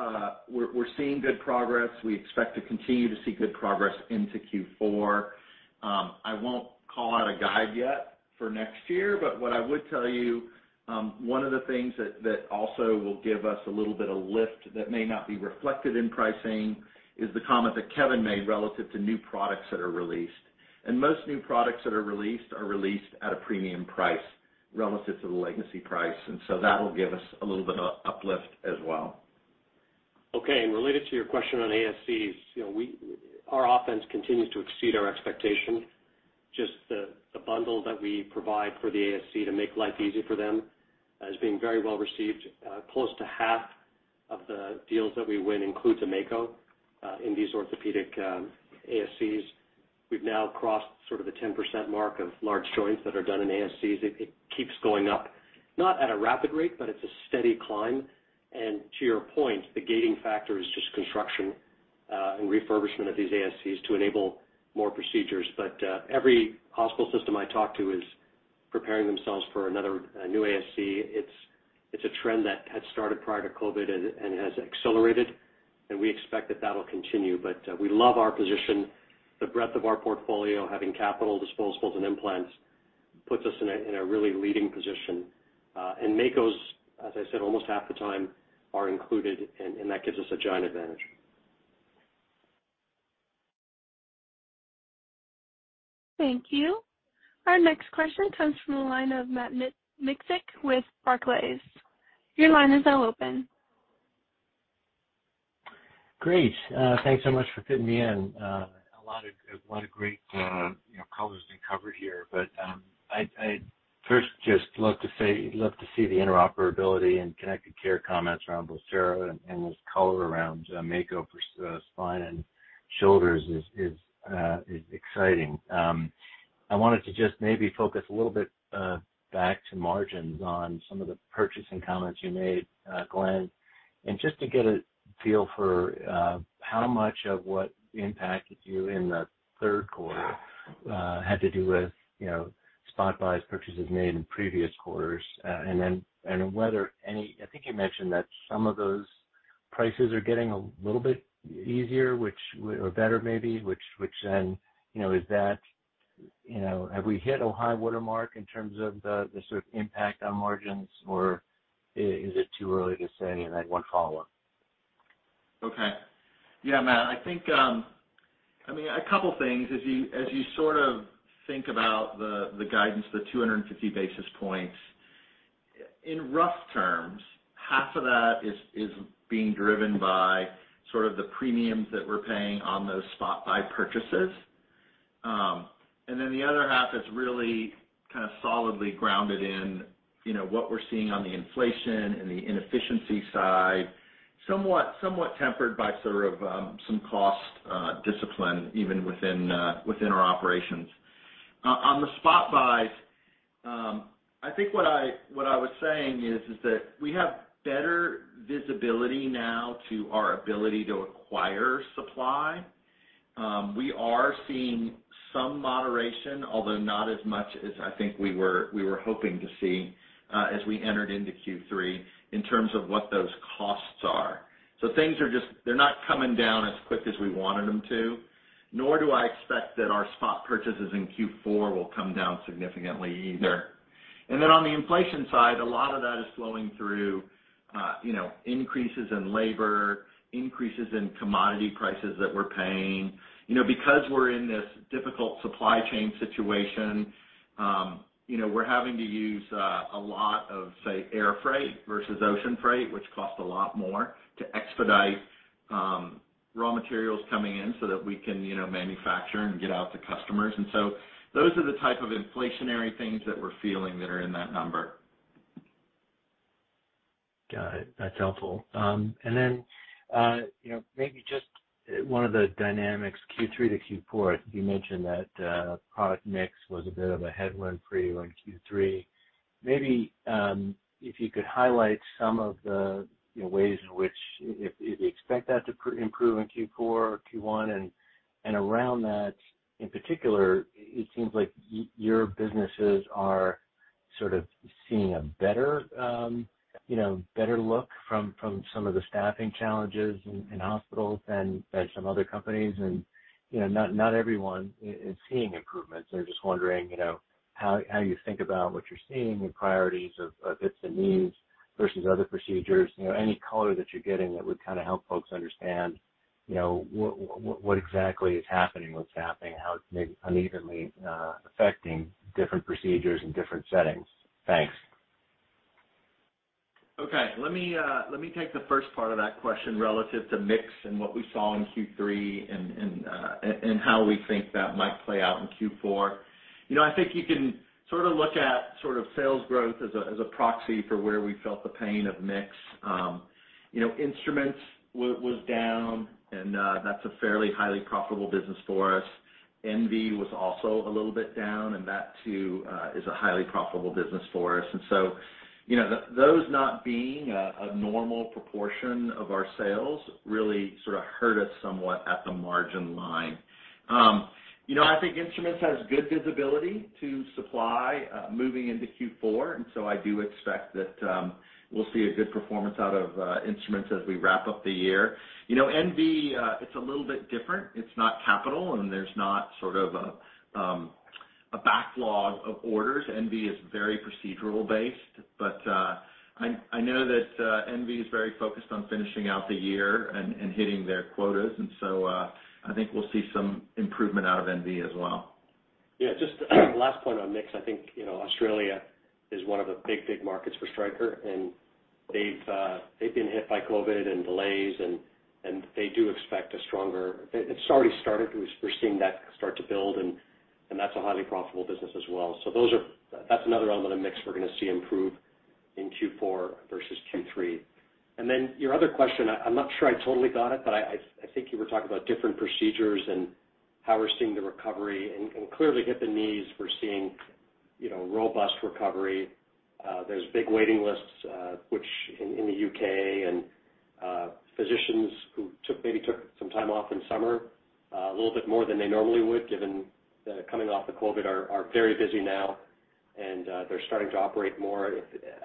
we're seeing good progress. We expect to continue to see good progress into Q4. I won't call out a guide yet for next year, but what I would tell you, one of the things that also will give us a little bit of lift that may not be reflected in pricing is the comment that Kevin made relative to new products that are released. Most new products that are released are released at a premium price relative to the legacy price. That'll give us a little bit of uplift as well. Okay. Related to your question on ASCs, you know, our offense continues to exceed our expectation. Just the bundle that we provide for the ASC to make life easy for them is being very well received. Close to half of the deals that we win includes a Mako in these orthopedic ASCs. We've now crossed sort of the 10% mark of large joints that are done in ASCs. It keeps going up, not at a rapid rate, but it's a steady climb. To your point, the gating factor is just construction and refurbishment of these ASCs to enable more procedures. But every hospital system I talk to is preparing themselves for another new ASC. It's a trend that had started prior to COVID and has accelerated, and we expect that that'll continue. We love our position. The breadth of our portfolio, having capital, disposables, and implants puts us in a really leading position. Mako's, as I said, almost half the time are included and that gives us a giant advantage. Thank you. Our next question comes from the line of Matt Miksic with Barclays. Your line is now open. Great. Thanks so much for fitting me in. A lot of great, you know, colors being covered here. I'd first just love to see the interoperability and connected care comments around Vocera and this color around Mako for spine and shoulders is exciting. I wanted to just maybe focus a little bit back to margins on some of the purchasing comments you made, Glenn. Just to get a feel for how much of what impacted you in the third quarter had to do with, you know, spot buys, purchases made in previous quarters, and whether any, I think you mentioned that some of those prices are getting a little bit easier, which or better maybe, which then, you know, is that, you know, have we hit a high watermark in terms of the sort of impact on margins, or is it too early to say? I had one follow-up. Okay. Yeah, Matt, I think, I mean, a couple things as you sort of think about the guidance, the 250 basis points, in rough terms, half of that is being driven by sort of the premiums that we're paying on those spot buy purchases. The other half is really kind of solidly grounded in, you know, what we're seeing on the inflation and the inefficiency side, somewhat tempered by sort of some cost discipline even within our operations. On the spot buys, I think what I was saying is that we have better visibility now to our ability to acquire supply. We are seeing some moderation, although not as much as I think we were hoping to see, as we entered into Q3 in terms of what those costs are. Things are just they're not coming down as quick as we wanted them to, nor do I expect that our spot purchases in Q4 will come down significantly either. On the inflation side, a lot of that is flowing through, you know, increases in labor, increases in commodity prices that we're paying. You know, because we're in this difficult supply chain situation, you know, we're having to use a lot of, say, air freight versus ocean freight, which costs a lot more to expedite raw materials coming in so that we can, you know, manufacture and get out to customers. Those are the type of inflationary things that we're feeling that are in that number. Got it. That's helpful. You know, maybe just one of the dynamics, Q3 to Q4, you mentioned that product mix was a bit of a headwind for you in Q3. Maybe, if you could highlight some of the, you know, ways in which if you expect that to improve in Q4 or Q1 and around that, in particular, it seems like your businesses are sort of seeing a better, you know, better look from some of the staffing challenges in hospitals than some other companies. You know, not everyone is seeing improvements. I was just wondering, you know, how you think about what you're seeing and priorities of hips and knees versus other procedures. You know, any color that you're getting that would kind of help folks understand, you know, what exactly is happening, how it's maybe unevenly affecting different procedures in different settings? Thanks. Okay. Let me take the first part of that question relative to mix and what we saw in Q3 and how we think that might play out in Q4. You know, I think you can sort of look at sort of sales growth as a proxy for where we felt the pain of mix. You know, instruments was down, and that's a fairly highly profitable business for us. NV was also a little bit down, and that too is a highly profitable business for us. You know, those not being a normal proportion of our sales really sort of hurt us somewhat at the margin line. You know, I think instruments has good visibility to supply moving into Q4. I do expect that we'll see a good performance out of instruments as we wrap up the year. You know, NV, it's a little bit different. It's not capital, and there's not sort of a backlog of orders. NV is very procedural based. I know that NV is very focused on finishing out the year and hitting their quotas. I think we'll see some improvement out of NV as well. Yeah, just last point on mix. I think, you know, Australia is one of the big markets for Stryker, and they've been hit by COVID and delays, and they do expect a stronger. It's already started. We're seeing that start to build, and that's a highly profitable business as well. That's another element of mix we're gonna see improve in Q4 versus Q3. Then your other question, I'm not sure I totally got it, but I think you were talking about different procedures and how we're seeing the recovery, and clearly hip and knees we're seeing, you know, robust recovery. There's big waiting lists, which, in the U.K., and physicians who maybe took some time off in summer a little bit more than they normally would, given coming off the COVID, are very busy now, and they're starting to operate more.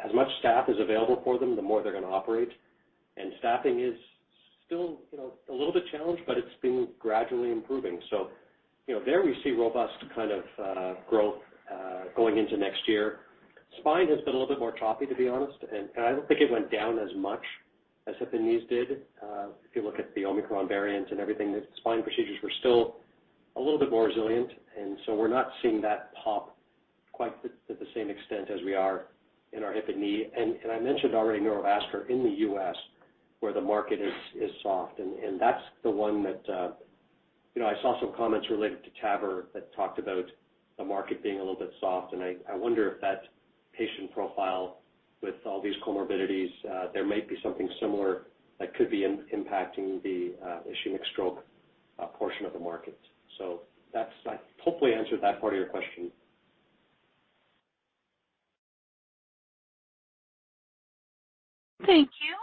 The more staff is available for them, the more they're gonna operate. Staffing is still, you know, a little bit challenged, but it's been gradually improving. You know, there we see robust kind of growth going into next year. Spine has been a little bit more choppy, to be honest, and I don't think it went down as much as hip and knees did. If you look at the Omicron variant and everything, the spine procedures were still a little bit more resilient, and so we're not seeing that pop quite to the same extent as we are in our hip and knee. I mentioned already neurovascular in the U.S., where the market is soft. That's the one that, you know, I saw some comments related to TAVR that talked about the market being a little bit soft, and I wonder if that patient profile with all these comorbidities, there might be something similar that could be impacting the ischemic stroke portion of the market. I hopefully answered that part of your question. Thank you.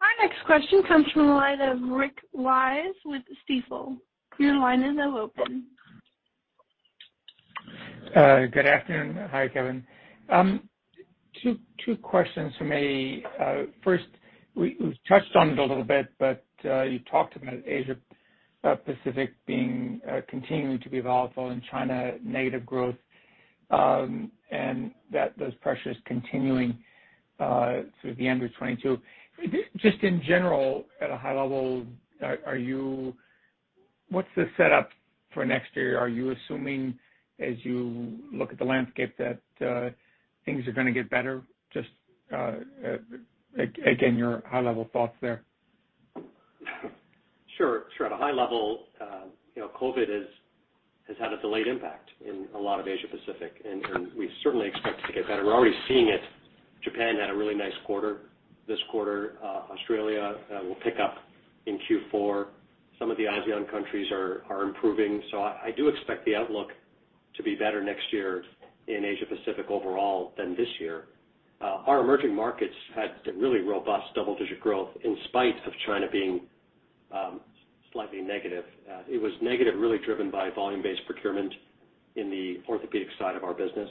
Our next question comes from the line of Rick Wise with Stifel. Your line is now open. Good afternoon. Hi, Kevin. Two questions from me. First, we've touched on it a little bit, you talked about Asia Pacific being continuing to be volatile and China negative growth. That those pressures continuing through the end of 2022. Just in general, at a high level, what's the setup for next year? Are you assuming as you look at the landscape that things are gonna get better? Just again, your high level thoughts there. Sure. At a high level, you know, COVID has had a delayed impact in a lot of Asia Pacific, and we certainly expect it to get better. We're already seeing it. Japan had a really nice quarter this quarter. Australia will pick up in Q4. Some of the ASEAN countries are improving. I do expect the outlook to be better next year in Asia Pacific overall than this year. Our emerging markets had really robust double-digit growth in spite of China being slightly negative. It was negative really driven by volume-based procurement in the orthopedic side of our business,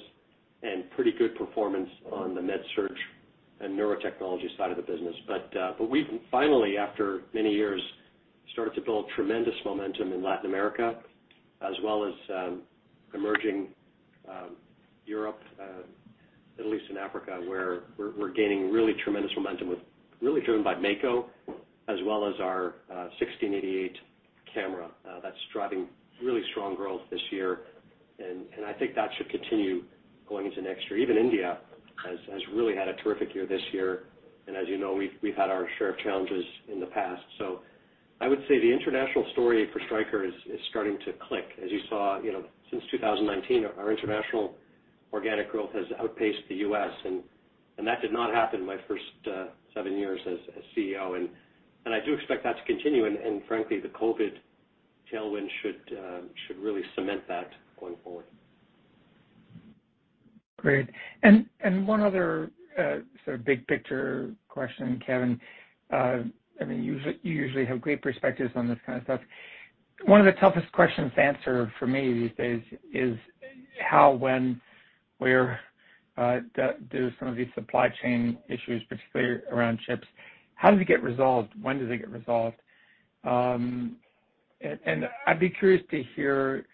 and pretty good performance on the MedSurg and Neurotechnology side of the business. We finally, after many years, started to build tremendous momentum in Latin America as well as emerging Europe, Middle East and Africa, where we're gaining really tremendous momentum really driven by Mako as well as our 1688 camera, that's driving really strong growth this year. I think that should continue going into next year. Even India has really had a terrific year this year, and as you know, we've had our share of challenges in the past. I would say the international story for Stryker is starting to click. As you saw, you know, since 2019, our international organic growth has outpaced the U.S., and that did not happen my first seven years as CEO. I do expect that to continue, and frankly, the COVID tailwind should really cement that going forward. Great. One other sort of big picture question, Kevin. I mean, you usually have great perspectives on this kind of stuff. One of the toughest questions to answer for me these days is how, when, where do some of these supply chain issues, particularly around chips, how do they get resolved? When do they get resolved? I'd be curious to hear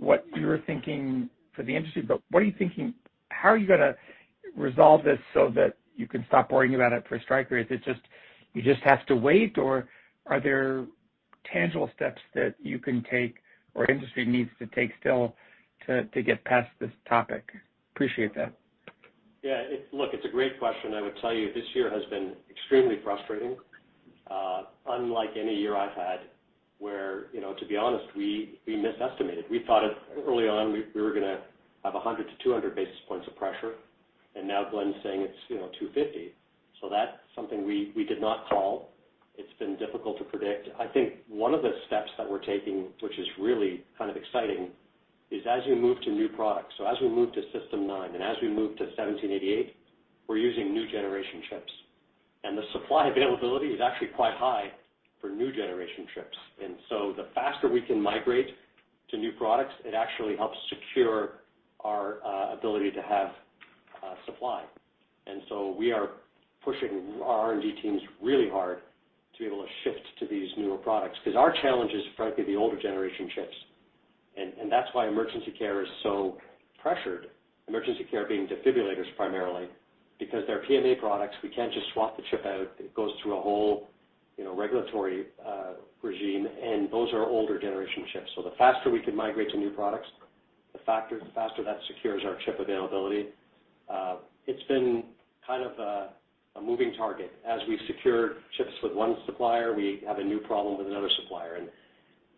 what you're thinking for the industry, but what are you thinking, how are you gonna resolve this so that you can stop worrying about it for Stryker? Is it just you just have to wait, or are there tangible steps that you can take or industry needs to take still to get past this topic? Appreciate that. Yeah, it's. Look, it's a great question. I would tell you this year has been extremely frustrating, unlike any year I've had, where, you know, to be honest, we misestimated. We thought it early on we were gonna have 100 to 200 basis points of pressure, and now Glenn's saying it's, you know, 250. That's something we did not call. It's been difficult to predict. I think one of the steps that we're taking, which is really kind of exciting, is as we move to new products, so as we move to System 9 and as we move to 1788, we're using new generation chips. The supply availability is actually quite high for new generation chips. The faster we can migrate to new products, it actually helps secure our ability to have supply. We are pushing our R&D teams really hard to be able to shift to these newer products because our challenge is frankly the older generation chips. That's why emergency care is so pressured, emergency care being defibrillators primarily, because they're PMA products. We can't just swap the chip out. It goes through a whole regulatory regime, and those are older generation chips. The faster we can migrate to new products, the faster that secures our chip availability. It's been kind of a moving target. As we secure chips with one supplier, we have a new problem with another supplier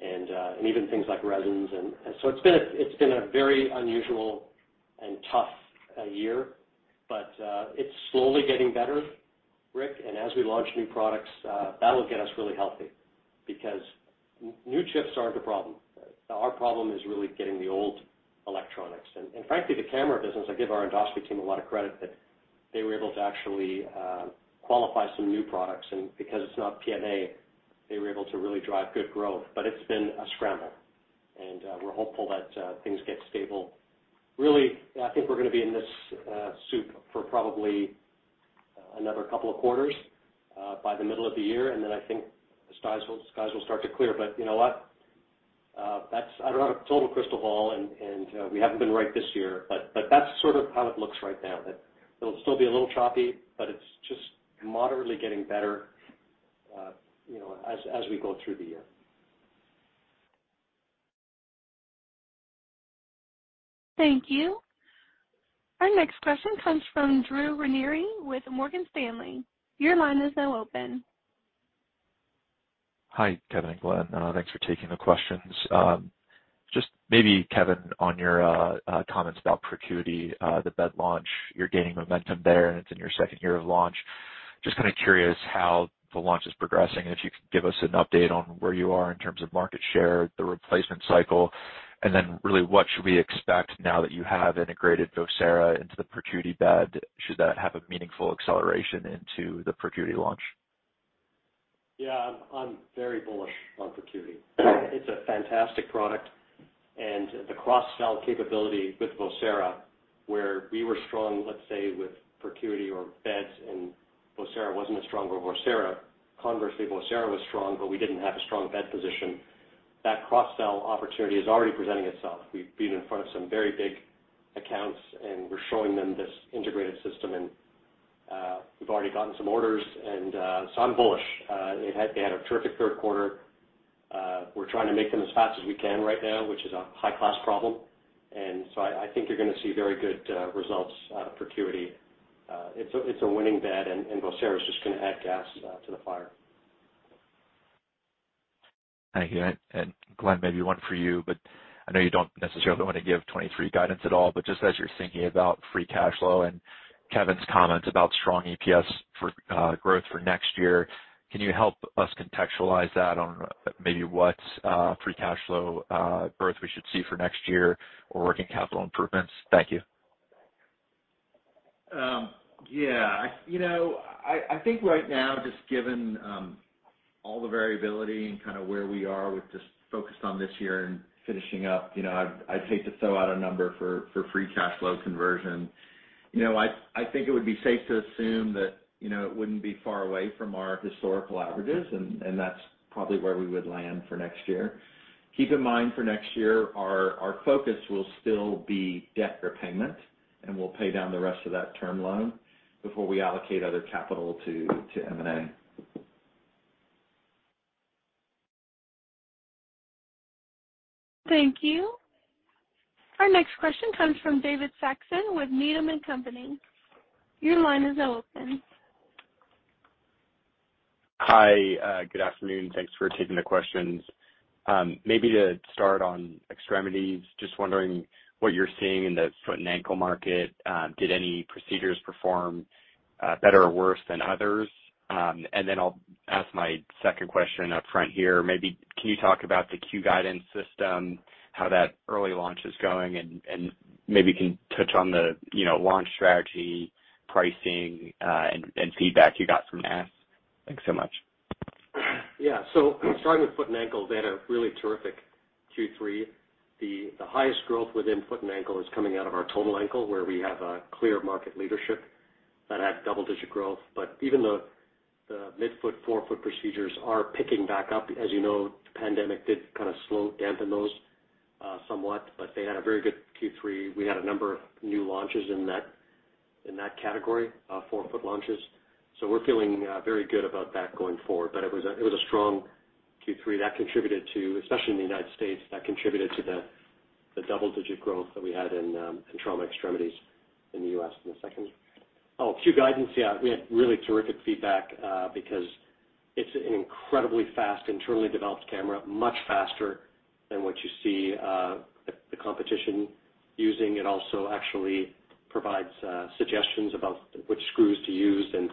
and even things like resins and. It's been a very unusual and tough year, but it's slowly getting better, Rick. As we launch new products, that'll get us really healthy because new chips aren't the problem. Our problem is really getting the old electronics. Frankly, the camera business, I give our endoscopy team a lot of credit that they were able to actually qualify some new products. Because it's not PMA, they were able to really drive good growth. But it's been a scramble, and we're hopeful that things get stable. Really, I think we're gonna be in this soup for probably another couple of quarters by the middle of the year. Then I think the skies will start to clear. But you know what? That's. I don't have a total crystal ball and we haven't been right this year, but that's sort of how it looks right now, that it'll still be a little choppy, but it's just moderately getting better, you know, as we go through the year. Thank you. Our next question comes from Drew Ranieri with Morgan Stanley. Your line is now open. Hi, Kevin Lobo and Glenn Boehnlein. Thanks for taking the questions. Just maybe, Kevin Lobo, on your comments about ProCuity, the bed launch, you're gaining momentum there, and it's in your second year of launch. Just curious how the launch is progressing, and if you could give us an update on where you are in terms of market share, the replacement cycle, and then really what should we expect now that you have integrated Vocera into the ProCuity bed? Should that have a meaningful acceleration into the ProCuity launch? Yeah. I'm very bullish on ProCuity. It's a fantastic product, and the cross-sell capability with Vocera. Where we were strong, let's say, with ProCuity or beds, and Vocera wasn't as strong with beds. Conversely, Vocera was strong, but we didn't have a strong bed position. That cross-sell opportunity is already presenting itself. We've been in front of some very big accounts, and we're showing them this integrated system, and we've already gotten some orders. I'm bullish. They had a terrific third quarter. We're trying to make them as fast as we can right now, which is a high-class problem. I think you're gonna see very good results out of ProCuity. It's a winning bed, and Vocera is just gonna add gas to the fire. Thank you. Glenn, maybe one for you, but I know you don't necessarily want to give 2023 guidance at all, but just as you're thinking about free cash flow and Kevin's comments about strong EPS for growth for next year, can you help us contextualize that on maybe what's free cash flow growth we should see for next year or working capital improvements? Thank you. Yeah. You know, I think right now, just given all the variability and kind of where we are with just focused on this year and finishing up, you know, I'd hate to throw out a number for free cash flow conversion. You know, I think it would be safe to assume that, you know, it wouldn't be far away from our historical averages, and that's probably where we would land for next year. Keep in mind, for next year, our focus will still be debt repayment, and we'll pay down the rest of that term loan before we allocate other capital to M&A. Thank you. Our next question comes from David Saxon with Needham & Company. Your line is now open. Hi. Good afternoon. Thanks for taking the questions. Maybe to start on extremities, just wondering what you're seeing in the foot and ankle market. Did any procedures perform better or worse than others? I'll ask my second question upfront here. Maybe can you talk about the Q Guidance system, how that early launch is going, and maybe can touch on the, you know, launch strategy, pricing, and feedback you got from NASS. Thanks so much. Yeah. Starting with foot and ankle, they had a really terrific Q3. The highest growth within foot and ankle is coming out of our total ankle, where we have a clear market leadership that had double-digit growth. But even the midfoot, forefoot procedures are picking back up. As you know, the pandemic did kind of slow, dampen those somewhat, but they had a very good Q3. We had a number of new launches in that category, forefoot launches. So we're feeling very good about that going forward. But it was a strong Q3. That contributed to, especially in the United States, the double-digit growth that we had in trauma extremities in the U.S. in the second. Oh, Q Guidance. Yeah, we had really terrific feedback because it's an incredibly fast internally developed camera, much faster than what you see the competition using. It also actually provides suggestions about which screws to use, and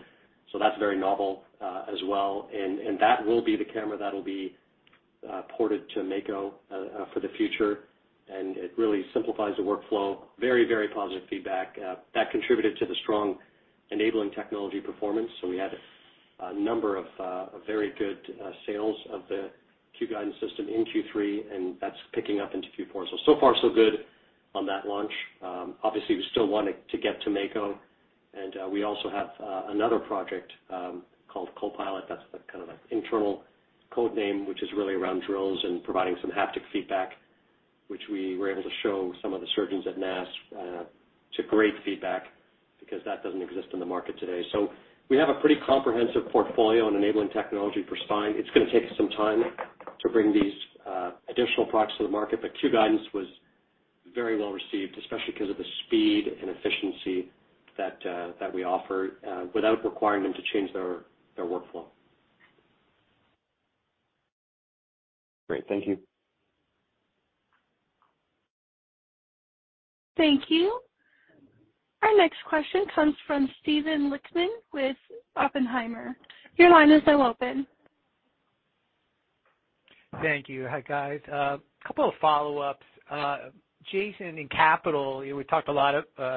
so that's very novel, as well. That will be the camera that'll be ported to Mako for the future, and it really simplifies the workflow. Very, very positive feedback. That contributed to the strong enabling technology performance. We had a number of very good sales of the Q Guidance system in Q3, and that's picking up into Q4. So far so good on that launch. Obviously, we still want it to get to Mako. We also have another project called Copilot. That's the kind of like internal code name, which is really around drills and providing some haptic feedback, which we were able to show some of the surgeons at NASS too, great feedback because that doesn't exist in the market today. We have a pretty comprehensive portfolio on enabling technology for spine. It's gonna take some time to bring these additional products to the market, but Q Guidance was very well received, especially because of the speed and efficiency that we offer without requiring them to change their workflow. Great. Thank you. Thank you. Our next question comes from Steven Lichtman with Oppenheimer. Your line is now open. Thank you. Hi, guys. Couple of follow-ups. Jason, in CapEx, we talked a lot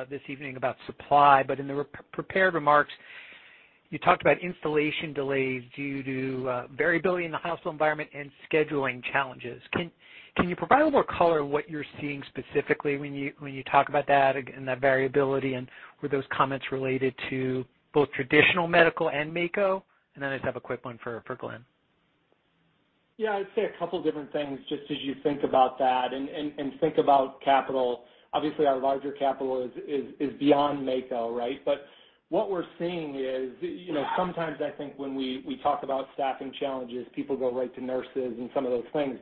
this evening about supply, but in the prepared remarks, you talked about installation delays due to variability in the hospital environment and scheduling challenges. Can you provide a little more color on what you're seeing specifically when you talk about that and that variability, and were those comments related to both traditional medical and Mako? Then I just have a quick one for Glenn. Yeah. I'd say a couple different things just as you think about that and think about capital. Obviously, our larger capital is beyond Mako, right? What we're seeing is, you know, sometimes I think when we talk about staffing challenges, people go right to nurses and some of those things.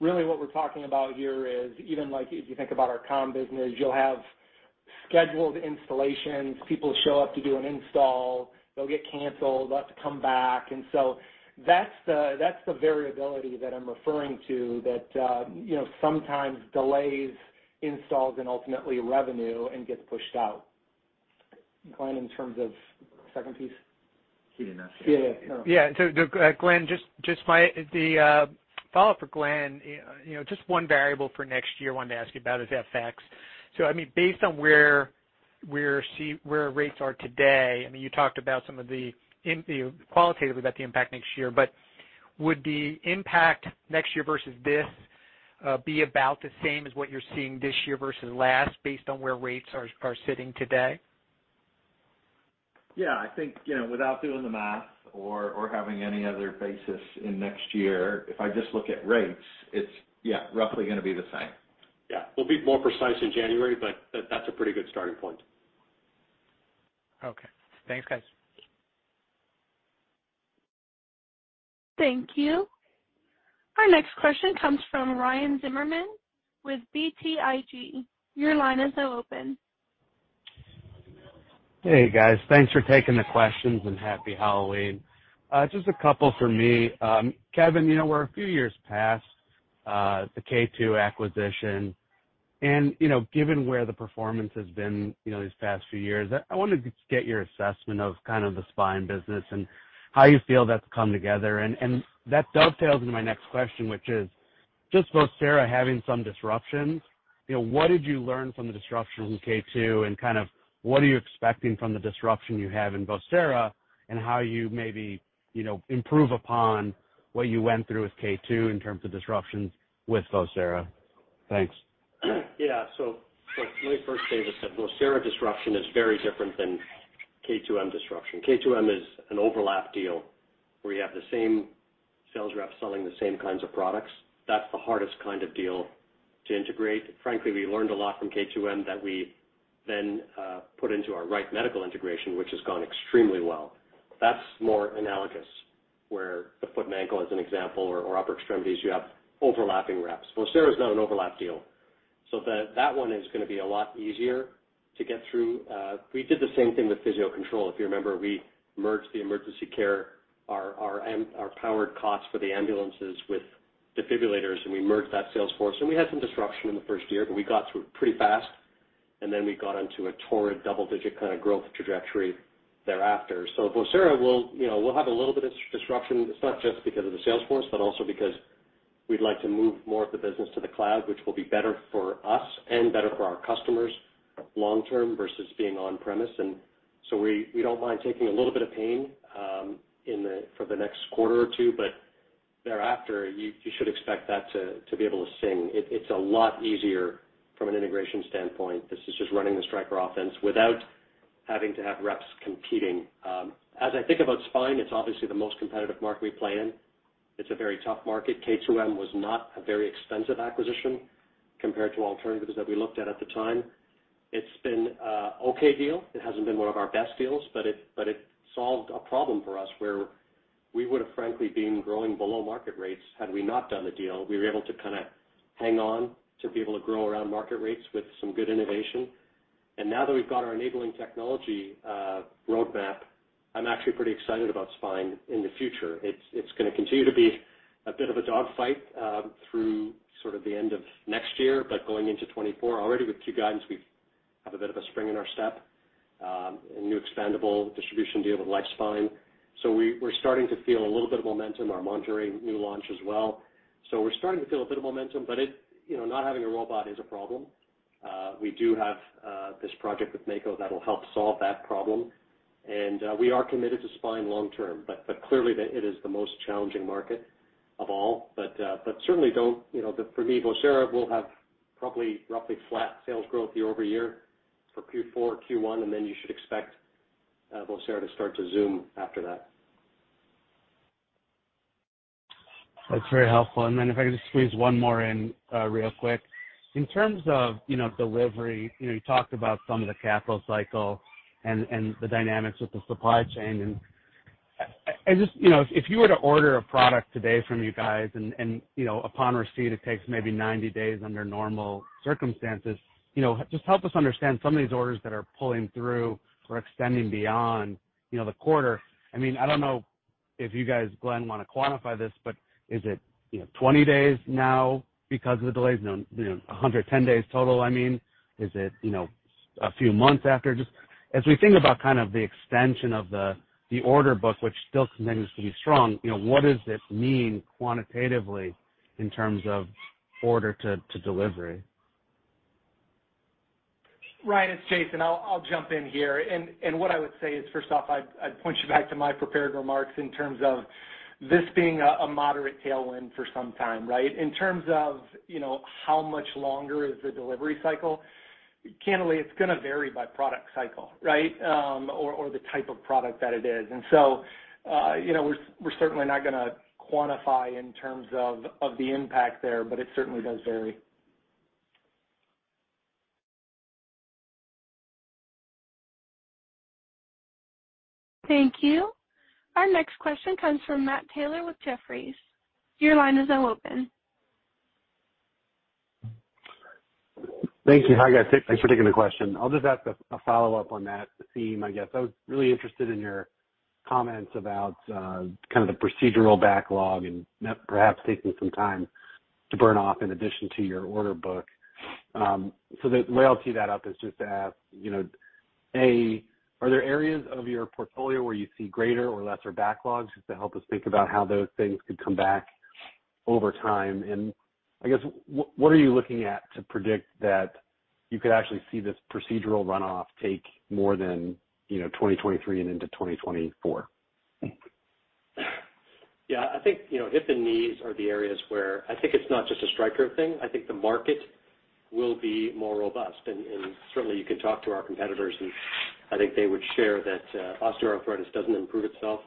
Really what we're talking about here is even like if you think about our comm business, you'll have scheduled installations, people show up to do an install, they'll get canceled, they'll have to come back. That's the variability that I'm referring to that, you know, sometimes delays installs and ultimately revenue and gets pushed out. Glenn, in terms of second piece? He did not share. Yeah, yeah. Yeah. Glenn, just the follow-up for Glenn, you know, just one variable for next year I wanted to ask you about is FX. I mean, based on where Where rates are today, I mean, you talked about some of the qualitatively about the impact next year, but would the impact next year versus this be about the same as what you're seeing this year versus last based on where rates are sitting today? Yeah. I think, you know, without doing the math or having any other basis in next year, if I just look at rates, it's, yeah, roughly gonna be the same. Yeah. We'll be more precise in January, but that's a pretty good starting point. Okay. Thanks, guys. Thank you. Our next question comes from Ryan Zimmerman with BTIG. Your line is now open. Hey, guys. Thanks for taking the questions, and happy Halloween. Just a couple from me. Kevin, you know, we're a few years past the K2M acquisition. You know, given where the performance has been, you know, these past few years, I wanted to get your assessment of kind of the spine business and how you feel that's come together. That dovetails into my next question, which is just Vocera having some disruptions, you know, what did you learn from the disruption from K2M and kind of what are you expecting from the disruption you have in Vocera and how you maybe, you know, improve upon what you went through with K2M in terms of disruptions with Vocera? Thanks. Yeah. Let me first say this, that Vocera disruption is very different than K2M disruption. K2M is an overlap deal where you have the same sales reps selling the same kinds of products. That's the hardest kind of deal to integrate. Frankly, we learned a lot from K2M that we then put into our Wright Medical integration, which has gone extremely well. That's more analogous, where the foot and ankle as an example or upper extremities, you have overlapping reps. Vocera is not an overlap deal. That one is gonna be a lot easier to get through. We did the same thing with Physio-Control. If you remember, we merged the emergency care, our powered cots for the ambulances with defibrillators, and we merged that sales force. We had some disruption in the first year, but we got through it pretty fast. Then we got onto a torrid double-digit kinda growth trajectory thereafter. Vocera will, you know, we'll have a little bit of disruption. It's not just because of the sales force, but also because we'd like to move more of the business to the cloud, which will be better for us and better for our customers long term versus being on premise. We don't mind taking a little bit of pain for the next quarter or two, but thereafter, you should expect that to be able to sing. It's a lot easier from an integration standpoint. This is just running the Stryker offense without having to have reps competing. As I think about spine, it's obviously the most competitive market we play in. It's a very tough market. K2M was not a very expensive acquisition compared to alternatives that we looked at at the time. It's been a okay deal. It hasn't been one of our best deals, but it solved a problem for us where we would've frankly been growing below market rates had we not done the deal. We were able to kinda hang on to be able to grow around market rates with some good innovation. Now that we've got our enabling technology roadmap, I'm actually pretty excited about spine in the future. It's gonna continue to be a bit of a dogfight through sort of the end of next year. Going into 2024 already with Q Guidance, we have a bit of a spring in our step, a new expendable distribution deal with Life Spine. We're starting to feel a little bit of momentum. Our Mako new launch as well, but you know, not having a robot is a problem. We do have this project with Mako that'll help solve that problem. We are committed to spine long-term, but clearly it is the most challenging market of all. Certainly, you know, for me, Vocera will have probably roughly flat sales growth year-over-year for Q4, Q1, and then you should expect Vocera to start to zoom after that. That's very helpful. If I could just squeeze one more in, real quick. In terms of, you know, delivery, you know, you talked about some of the capital cycle and the dynamics with the supply chain. I just, you know, if you were to order a product today from you guys and, you know, upon receipt it takes maybe 90 days under normal circumstances, you know, just help us understand some of these orders that are pulling through or extending beyond, you know, the quarter. I mean, I don't know if you guys, Glenn, wanna quantify this, but is it, you know, 20 days now because of the delays, you know, 110 days total, I mean? Is it, you know, a few months after? Just as we think about kind of the extension of the order book, which still continues to be strong, you know, what does this mean quantitatively in terms of order to delivery? Ryan, it's Jason. I'll jump in here. What I would say is, first off, I'd point you back to my prepared remarks in terms of this being a moderate tailwind for some time, right? In terms of, you know, how much longer is the delivery cycle, candidly, it's gonna vary by product cycle, right? Or the type of product that it is. You know, we're certainly not gonna quantify in terms of the impact there, but it certainly does vary. Thank you. Our next question comes from Matt Taylor with Jefferies. Your line is now open. Thank you. Hi, guys. Thanks for taking the question. I'll just ask a follow-up on that theme, I guess. I was really interested in your comments about kind of the procedural backlog and that perhaps taking some time to burn off in addition to your order book. The way I'll tee that up is just to ask, you know, A, are there areas of your portfolio where you see greater or lesser backlogs, just to help us think about how those things could come back? Over time, I guess, what are you looking at to predict that you could actually see this procedural runoff take more than, you know, 2023 and into 2024? Yeah. I think, you know, hip and knees are the areas where I think it's not just a Stryker thing. I think the market will be more robust. Certainly you can talk to our competitors, and I think they would share that, osteoarthritis doesn't improve itself.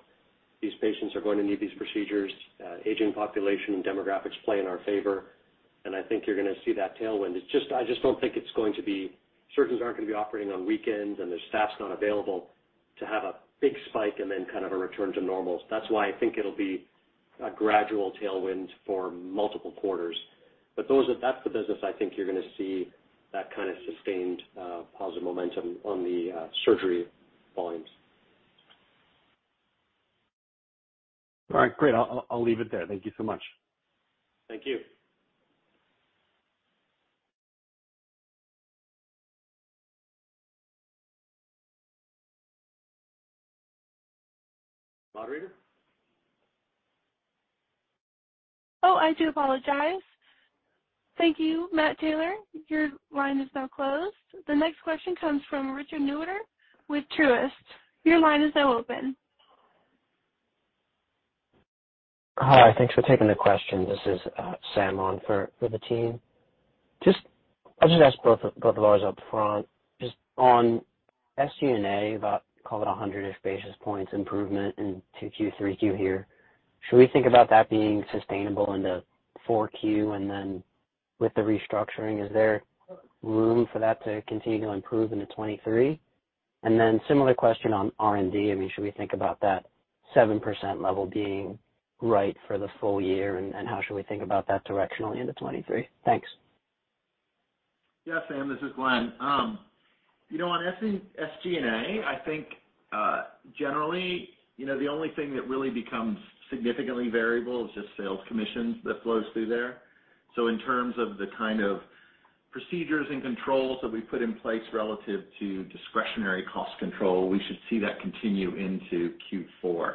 These patients are going to need these procedures. Aging population and demographics play in our favor, and I think you're gonna see that tailwind. It's just, I just don't think it's going to be, surgeons aren't gonna be operating on weekends, and their staff's not available to have a big spike and then kind of a return to normal. That's why I think it'll be a gradual tailwind for multiple quarters. Those are, that's the business I think you're gonna see that kind of sustained, positive momentum on the, surgery volumes. All right, great. I'll leave it there. Thank you so much. Thank you. Moderator? Oh, I do apologize. Thank you, Matt Taylor. Your line is now closed. The next question comes from Richard Newitter with Truist. Your line is now open. Hi. Thanks for taking the question. This is Sam on for the team. I'll just ask both of ours up front. Just on SG&A, about call it a 100-ish basis points improvement in 2Q, 3Q here. Should we think about that being sustainable into 4Q? And then with the restructuring, is there room for that to continue to improve into 2023? And then similar question on R&D. I mean, should we think about that 7% level being right for the full year, and how should we think about that directionally into 2023? Thanks. Yeah, Sam. This is Glenn. You know, on SG&A, I think, generally, you know, the only thing that really becomes significantly variable is just sales commissions that flows through there. In terms of the kind of procedures and controls that we put in place relative to discretionary cost control, we should see that continue into Q4.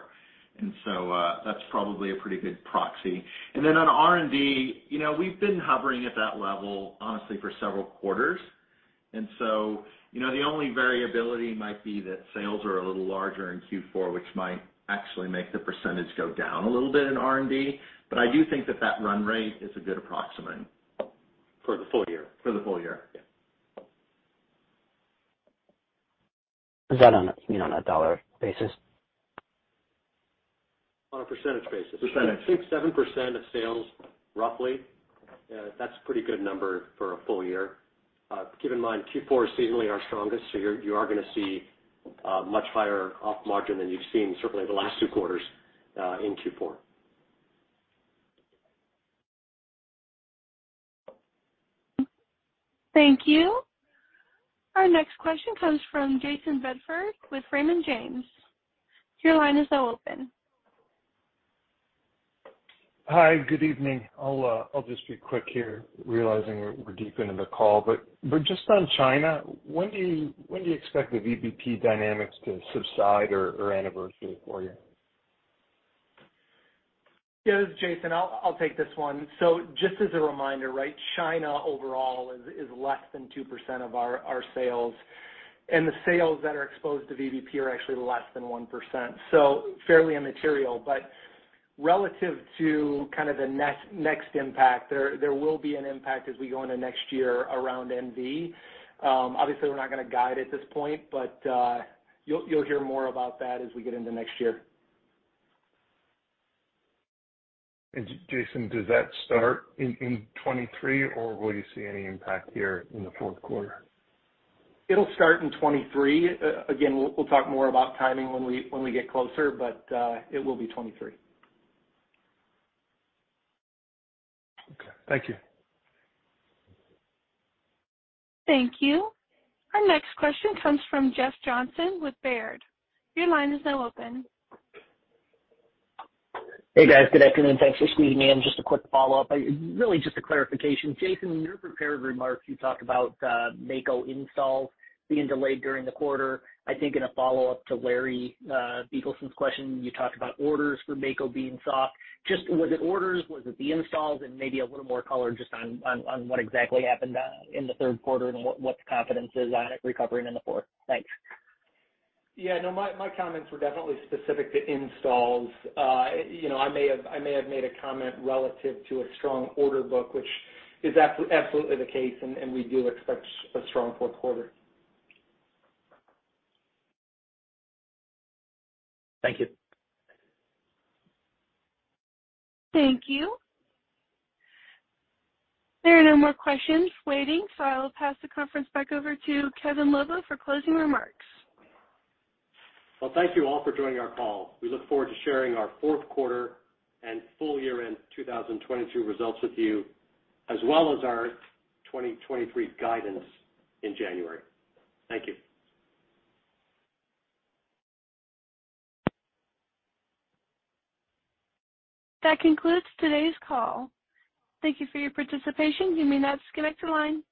That's probably a pretty good proxy. Then on R&D, you know, we've been hovering at that level honestly for several quarters. You know, the only variability might be that sales are a little larger in Q4, which might actually make the percentage go down a little bit in R&D. I do think that that run rate is a good approximate. For the full year? For the full year. Yeah. Is that on a, you know, on a dollar basis? On a percentage basis. Percentage. I think 7% of sales roughly. That's a pretty good number for a full year. Keep in mind, Q4 is seasonally our strongest, so you are gonna see much higher op margin than you've seen certainly the last two quarters in Q4. Thank you. Our next question comes from Jayson Bedford with Raymond James. Your line is now open. Hi, good evening. I'll just be quick here, realizing we're deep into the call. Just on China, when do you expect the VBP dynamics to subside or anniversary for you? Yeah, this is Jason. I'll take this one. So just as a reminder, right? China overall is less than 2% of our sales. The sales that are exposed to VBP are actually less than 1%, so fairly immaterial. Relative to kind of the next impact, there will be an impact as we go into next year around NV. Obviously, we're not gonna guide at this point, but you'll hear more about that as we get into next year. Jason, does that start in 2023, or will you see any impact here in the fourth quarter? It'll start in 2023. Again, we'll talk more about timing when we get closer, but it will be 2023. Okay. Thank you. Thank you. Our next question comes from Jeff Johnson with Baird. Your line is now open. Hey, guys. Good afternoon. Thanks for squeezing me in. Just a quick follow-up. Really just a clarification. Jason, in your prepared remarks, you talked about Mako installs being delayed during the quarter. I think in a follow-up to Larry question, you talked about orders for Mako being soft. Just was it orders? Was it the installs? Maybe a little more color just on what exactly happened in the third quarter and what the confidence is on it recovering in the fourth. Thanks. Yeah. No, my comments were definitely specific to installs. You know, I may have made a comment relative to a strong order book, which is absolutely the case, and we do expect a strong fourth quarter. Thank you. Thank you. There are no more questions waiting, so I will pass the conference back over to Kevin Lobo for closing remarks. Well, thank you all for joining our call. We look forward to sharing our fourth quarter and full year-end 2022 results with you, as well as our 2023 guidance in January. Thank you. That concludes today's call. Thank you for your participation. You may now disconnect your line.